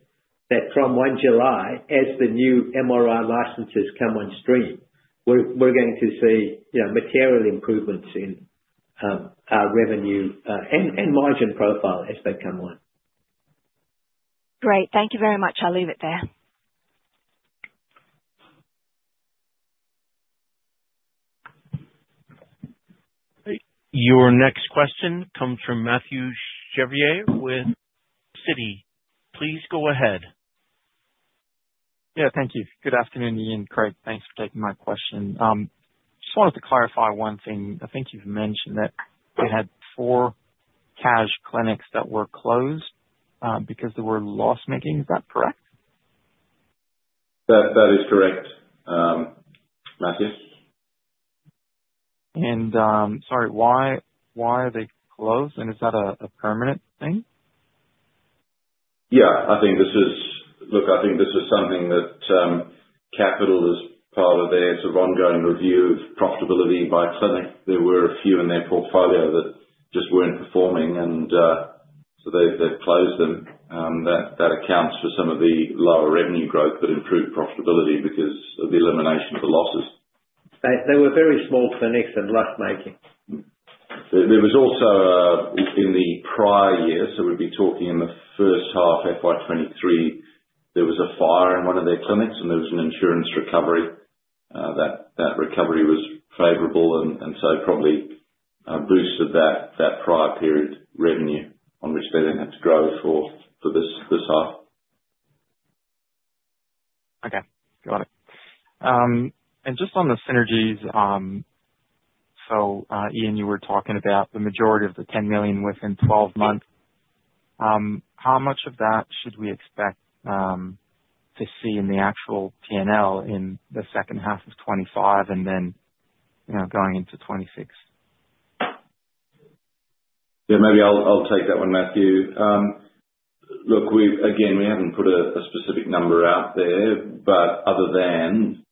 that from 1 July, as the new MRI licenses come on stream, we're going to see material improvements in our revenue and margin profile as they come on. Great. Thank you very much. I'll leave it there. Your next question comes from Mathieu Chevrier with Citi. Please go ahead. Yeah. Thank you. Good afternoon, Ian. Craig, thanks for taking my question. Just wanted to clarify one thing. I think you've mentioned that you had four Capitol clinics that were closed because they were loss-making. Is that correct? That is correct, Mathieu. Sorry, why are they closed? Is that a permanent thing? Yeah. I think this is something that Capitol is part of their sort of ongoing review of profitability by clinic. There were a few in their portfolio that just weren't performing, and so they've closed them. That accounts for some of the lower revenue growth but improved profitability because of the elimination of the losses. They were very small clinics and loss-making. There was also in the prior year, so we'd be talking in the first half, FY23, there was a fire in one of their clinics, and there was an insurance recovery. That recovery was favorable and so probably boosted that prior period revenue on which they then had to grow for this half. Okay. Got it. And just on the synergies, so Ian, you were talking about the majority of the 10 million within 12 months. How much of that should we expect to see in the actual P&L in the second half of 2025 and then going into 2026? Yeah. Maybe I'll take that one, Mathieu. Look, again, we haven't put a specific number out there, but other than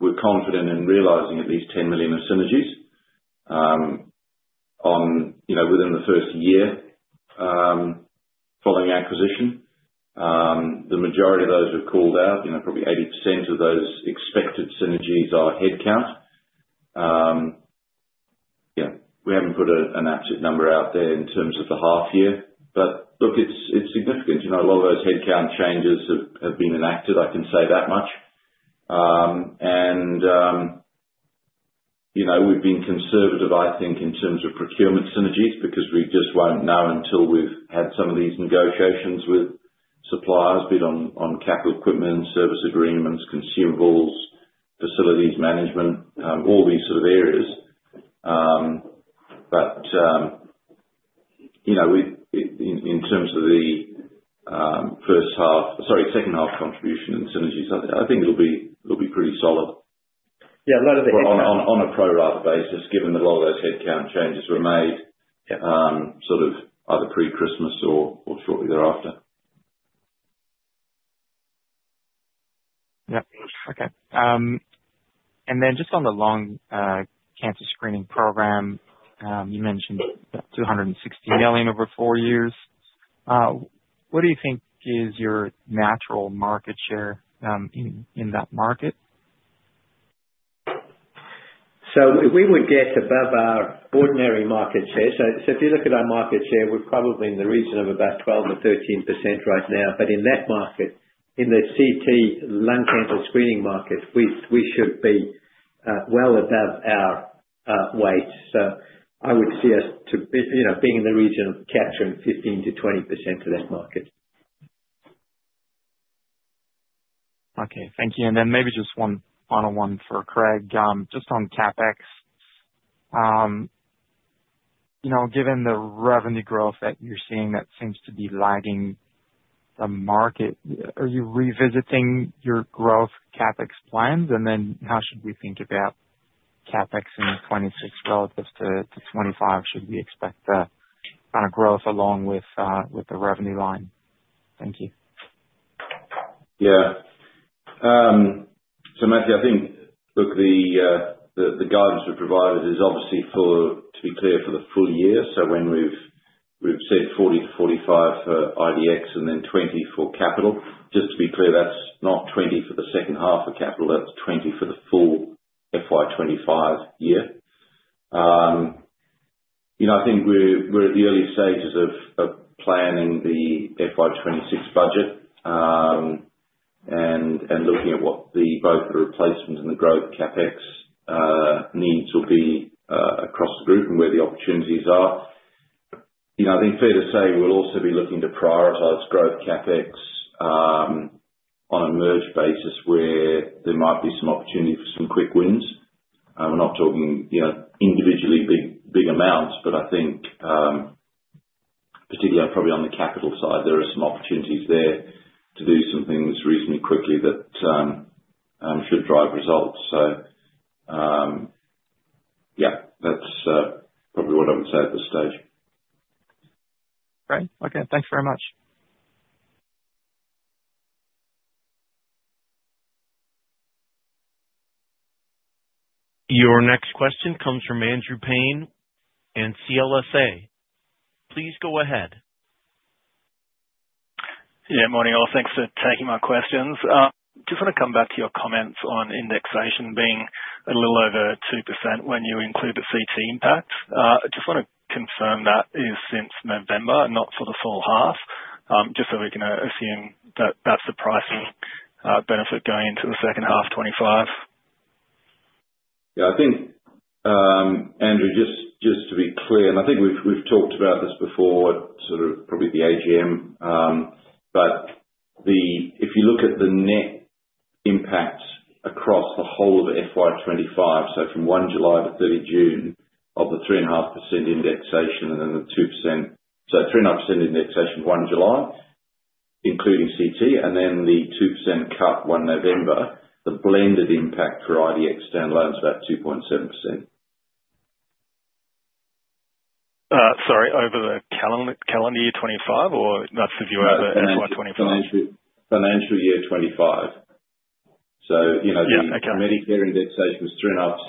we're confident in realizing at least 10 million of synergies within the first year following acquisition. The majority of those were called out. Probably 80% of those expected synergies are headcount. Yeah. We haven't put an absolute number out there in terms of the half year. But look, it's significant. A lot of those headcount changes have been enacted. I can say that much. And we've been conservative, I think, in terms of procurement synergies because we just won't know until we've had some of these negotiations with suppliers a bit on Capitol equipment, service agreements, consumables, facilities management, all these sort of areas. But in terms of the first half sorry, second half contribution and synergies, I think it'll be pretty solid. Yeah. A lot of it is. On a pro rata basis, given that a lot of those headcount changes were made sort of either pre-Christmas or shortly thereafter. Yeah. Okay. And then just on the lung cancer screening program, you mentioned 260 million over four years. What do you think is your natural market share in that market? So we would get above our ordinary market share. So if you look at our market share, we're probably in the region of about 12%-13% right now. But in that market, in the CT lung cancer screening market, we should be well above our weight. So I would see us being in the region of capturing 15%-20% of that market. Okay. Thank you. And then maybe just one final one for Craig. Just on CapEx, given the revenue growth that you're seeing that seems to be lagging the market, are you revisiting your growth CapEx plans? And then how should we think about CapEx in 2026 relative to 2025? Should we expect kind of growth along with the revenue line? Thank you. Yeah. So, Mathieu, I think look, the guidance we've provided is obviously, to be clear, for the full year. So when we've said 40 to 45 for IDX and then 20 for Capitol. Just to be clear, that's not 20 for the second half of Capitol. That's 20 for the full FY25 year. I think we're at the early stages of planning the FY26 budget and looking at what both the replacement and the growth CapEx needs will be across the group and where the opportunities are. I think fair to say we'll also be looking to prioritize growth CapEx on a merged basis where there might be some opportunity for some quick wins. I'm not talking individually big amounts, but I think particularly probably on the Capitol side, there are some opportunities there to do some things reasonably quickly that should drive results. So yeah, that's probably what I would say at this stage. Great. Okay. Thanks very much. Your next question comes from Andrew Paine and CLSA. Please go ahead. Yeah. Morning, all. Thanks for taking my questions. Just want to come back to your comments on indexation being a little over 2% when you include the CT impacts. Just want to confirm that is since November and not for the full half, just so we can assume that that's the pricing benefit going into the second half 2025. Yeah. I think, Andrew, just to be clear, and I think we've talked about this before at sort of probably the AGM, but if you look at the net impact across the whole of FY25, so from 1 July to 30 June of the 3.5% indexation and then the 2% so 3.5% indexation 1 July, including CT, and then the 2% cut 1 November, the blended impact for IDX downside is about 2.7%. Sorry, over the calendar year 2025 or that's if you're over FY 2025? Financial year 2025. So the Medicare indexation was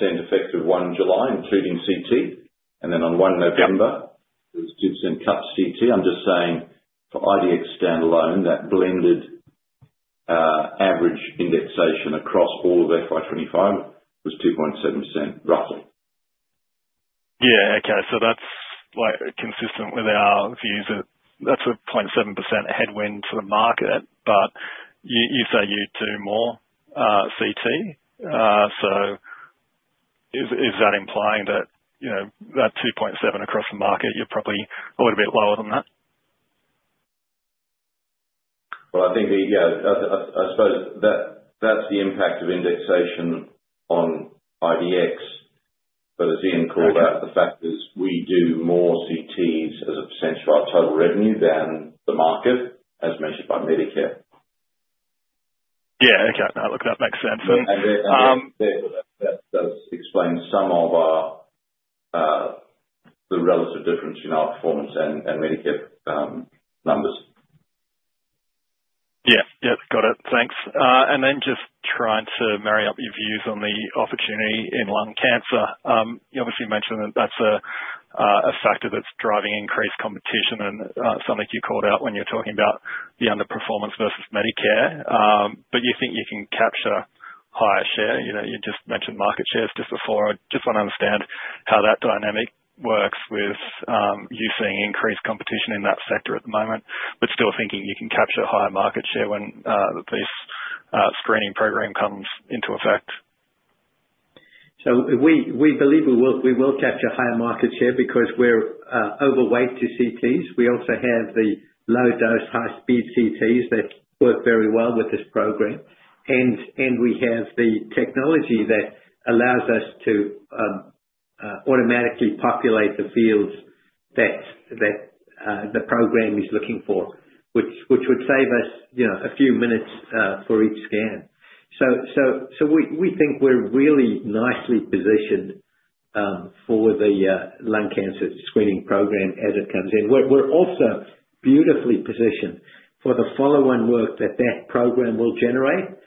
3.5% effective 1 July, including CT. And then on 1 November, it was 2% cut CT. I'm just saying for IDX standalone, that blended average indexation across all of FY 2025 was 2.7%, roughly. Yeah. Okay. So that's consistent with our views that that's a 0.7% headwind to the market. But you say you do more CT. So is that implying that that 2.7% across the market, you're probably a little bit lower than that? I think, yeah, I suppose that's the impact of indexation on IDX. As Ian called out, the fact is we do more CTs as a percentage of our total revenue than the market, as mentioned by Medicare. Yeah. Okay. Look, that makes sense. That does explain some of the relative difference in our performance and Medicare numbers. Yeah. Yeah. Got it. Thanks. And then just trying to marry up your views on the opportunity in lung cancer. You obviously mentioned that that's a factor that's driving increased competition and something you called out when you're talking about the underperformance versus Medicare. But you think you can capture higher share. You just mentioned market shares just before. I just want to understand how that dynamic works with you seeing increased competition in that sector at the moment, but still thinking you can capture higher market share when this screening program comes into effect. We believe we will capture higher market share because we're overweight to CTs. We also have the low-dose high-speed CTs that work very well with this program. We have the technology that allows us to automatically populate the fields that the program is looking for, which would save us a few minutes for each scan. We think we're really nicely positioned for the lung cancer screening program as it comes in. We're also beautifully positioned for the follow-on work that that program will generate.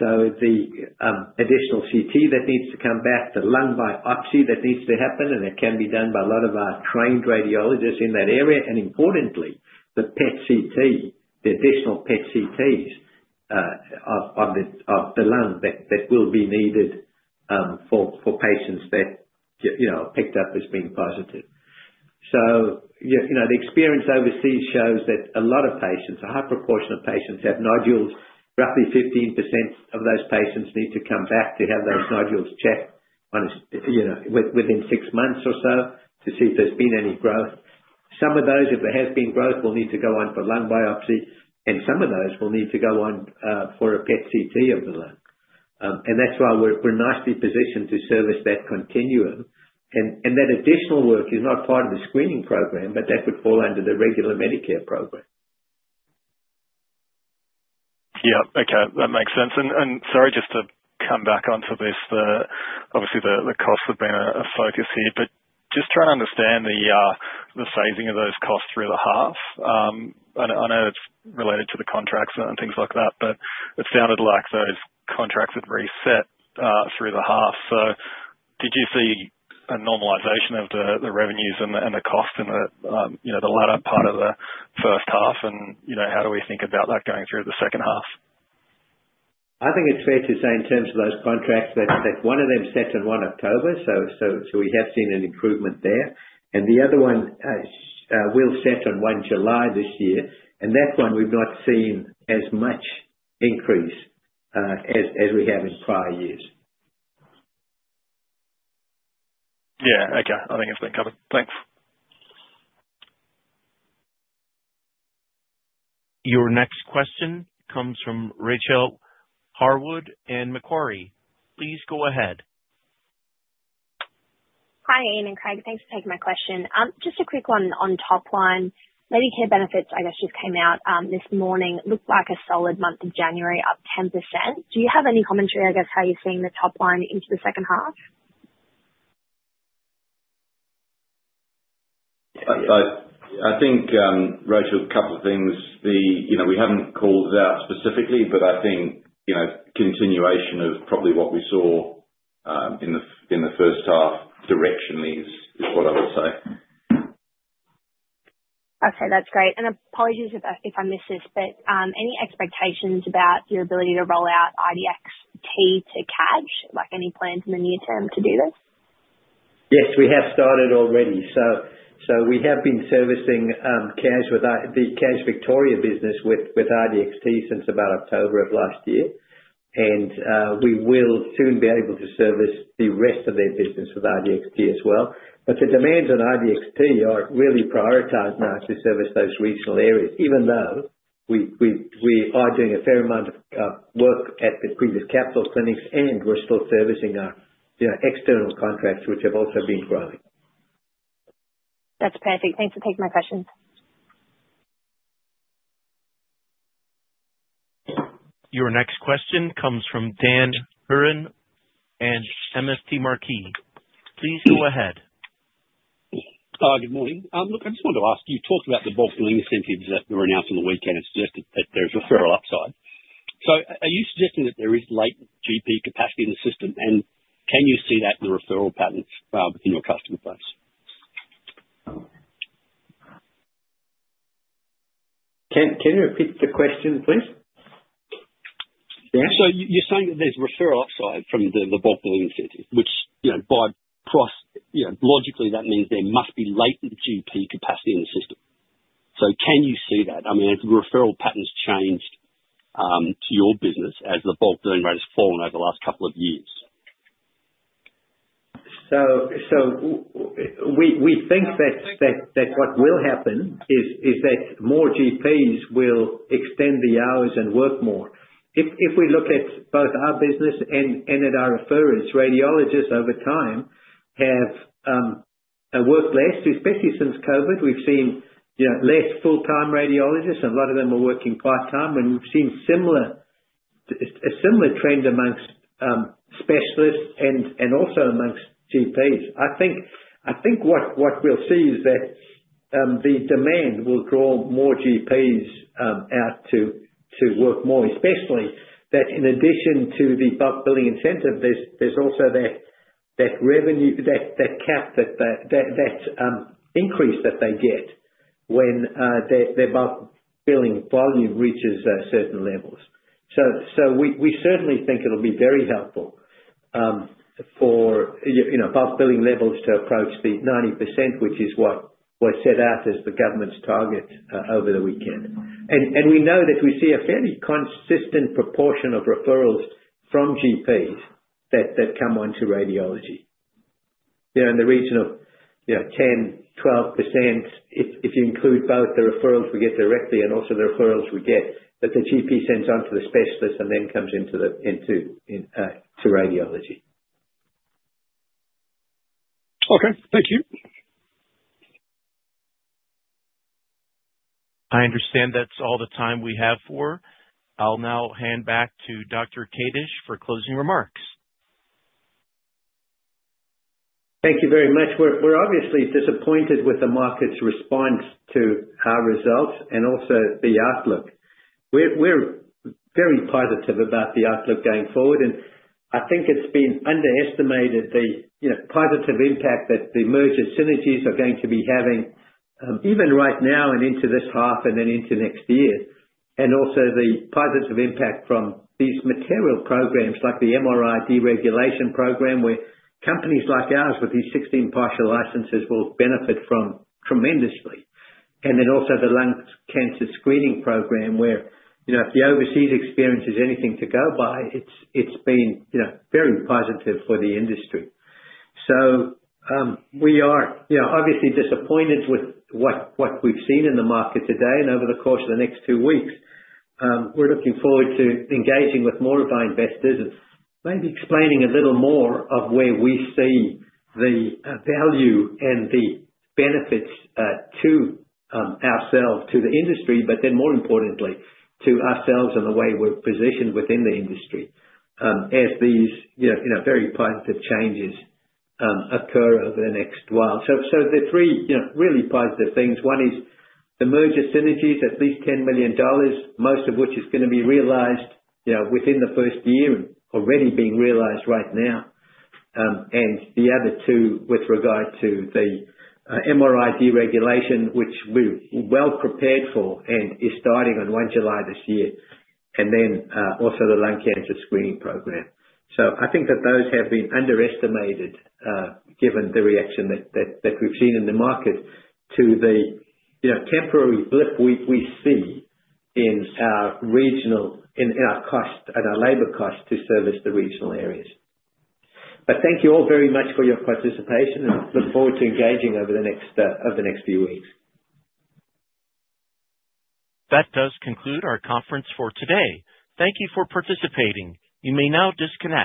The additional CT that needs to come back, the lung biopsy that needs to happen, and it can be done by a lot of our trained radiologists in that area. Importantly, the PET CT, the additional PET CTs of the lung that will be needed for patients that are picked up as being positive. So the experience overseas shows that a lot of patients, a high proportion of patients have nodules. Roughly 15% of those patients need to come back to have those nodules checked within six months or so to see if there's been any growth. Some of those, if there has been growth, will need to go on for lung biopsy. And some of those will need to go on for a PET CT of the lung. And that's why we're nicely positioned to service that continuum. And that additional work is not part of the screening program, but that would fall under the regular Medicare program. Yeah. Okay. That makes sense. And sorry, just to come back onto this, obviously the costs have been a focus here, but just trying to understand the phasing of those costs through the half. I know it's related to the contracts and things like that, but it sounded like those contracts had reset through the half. So did you see a normalization of the revenues and the cost in the latter part of the first half? And how do we think about that going through the second half? I think it's fair to say in terms of those contracts that one of them set on 1 October. So we have seen an improvement there. And the other one will set on 1 July this year. And that one, we've not seen as much increase as we have in prior years. Yeah. Okay. I think it's been covered. Thanks. Your next question comes from Rachel Harwood and Macquarie. Please go ahead. Hi, Ian and Craig. Thanks for taking my question. Just a quick one on top line. Medicare benefits, I guess, just came out this morning. Looked like a solid month of January up 10%. Do you have any commentary, I guess, how you're seeing the top line into the second half? I think, Rachel, a couple of things. We haven't called it out specifically, but I think continuation of probably what we saw in the first half directionally is what I would say. Okay. That's great. And apologies if I missed this, but any expectations about your ability to roll out IDXT to Capitol? Any plans in the near term to do this? Yes. We have started already. So we have been servicing the Capitol Health Victoria business with IDXT since about October of last year. And we will soon be able to service the rest of their business with IDXT as well. But the demands on IDXT are really prioritized now to service those regional areas, even though we are doing a fair amount of work at the previous Capitol clinics, and we're still servicing our external contracts, which have also been growing. That's perfect. Thanks for taking my questions. Your next question comes from Dan Hurren and MST Marquee. Please go ahead. Hi. Good morning. Look, I just wanted to ask you. You talked about the bulk billing incentives that were announced on the weekend and suggested that there's referral upside. So are you suggesting that there is slack GP capacity in the system? And can you see that in the referral patterns within your customer base? Can you repeat the question, please? Yeah. So you're saying that there's referral upside from the bulk billing incentives, which, conversely, logically, that means there must be latent GP capacity in the system. So can you see that? I mean, have the referral patterns changed to your business as the bulk billing rate has fallen over the last couple of years? We think that what will happen is that more GPs will extend the hours and work more. If we look at both our business and at our referrals, radiologists over time have worked less, especially since COVID. We've seen less full-time radiologists. A lot of them are working part-time. And we've seen a similar trend amongst specialists and also amongst GPs. I think what we'll see is that the demand will draw more GPs out to work more, especially that in addition to the bulk billing incentive, there's also that revenue, that cap, that increase that they get when their bulk billing volume reaches certain levels. We certainly think it'll be very helpful for bulk billing levels to approach the 90%, which is what was set out as the government's target over the weekend. And we know that we see a fairly consistent proportion of referrals from GPs that come on to radiology. They're in the region of 10%-12% if you include both the referrals we get directly and also the referrals we get that the GP sends on to the specialist and then comes into radiology. Okay. Thank you. I understand that's all the time we have for. I'll now hand back to Dr. Kadish for closing remarks. Thank you very much. We're obviously disappointed with the market's response to our results and also the outlook. We're very positive about the outlook going forward, and I think it's been underestimated, the positive impact that the merger synergies are going to be having even right now and into this half and then into next year, and also the positive impact from these material programs like the MRI deregulation program where companies like ours with these 16 partial licenses will benefit from tremendously, and then also the lung cancer screening program where if the overseas experience is anything to go by, it's been very positive for the industry, so we are obviously disappointed with what we've seen in the market today. Over the course of the next two weeks, we're looking forward to engaging with more of our investors and maybe explaining a little more of where we see the value and the benefits to ourselves, to the industry, but then more importantly, to ourselves and the way we're positioned within the industry as these very positive changes occur over the next while. So the three really positive things. One is the merger synergies, at least 10 million dollars, most of which is going to be realized within the first year and already being realized right now. The other two with regard to the MRI deregulation, which we're well prepared for and is starting on 1 July this year. Then also the lung cancer screening program. So I think that those have been underestimated given the reaction that we've seen in the market to the temporary blip we see in our cost and our labor cost to service the regional areas. But thank you all very much for your participation and look forward to engaging over the next few weeks. That does conclude our conference for today. Thank you for participating. You may now disconnect.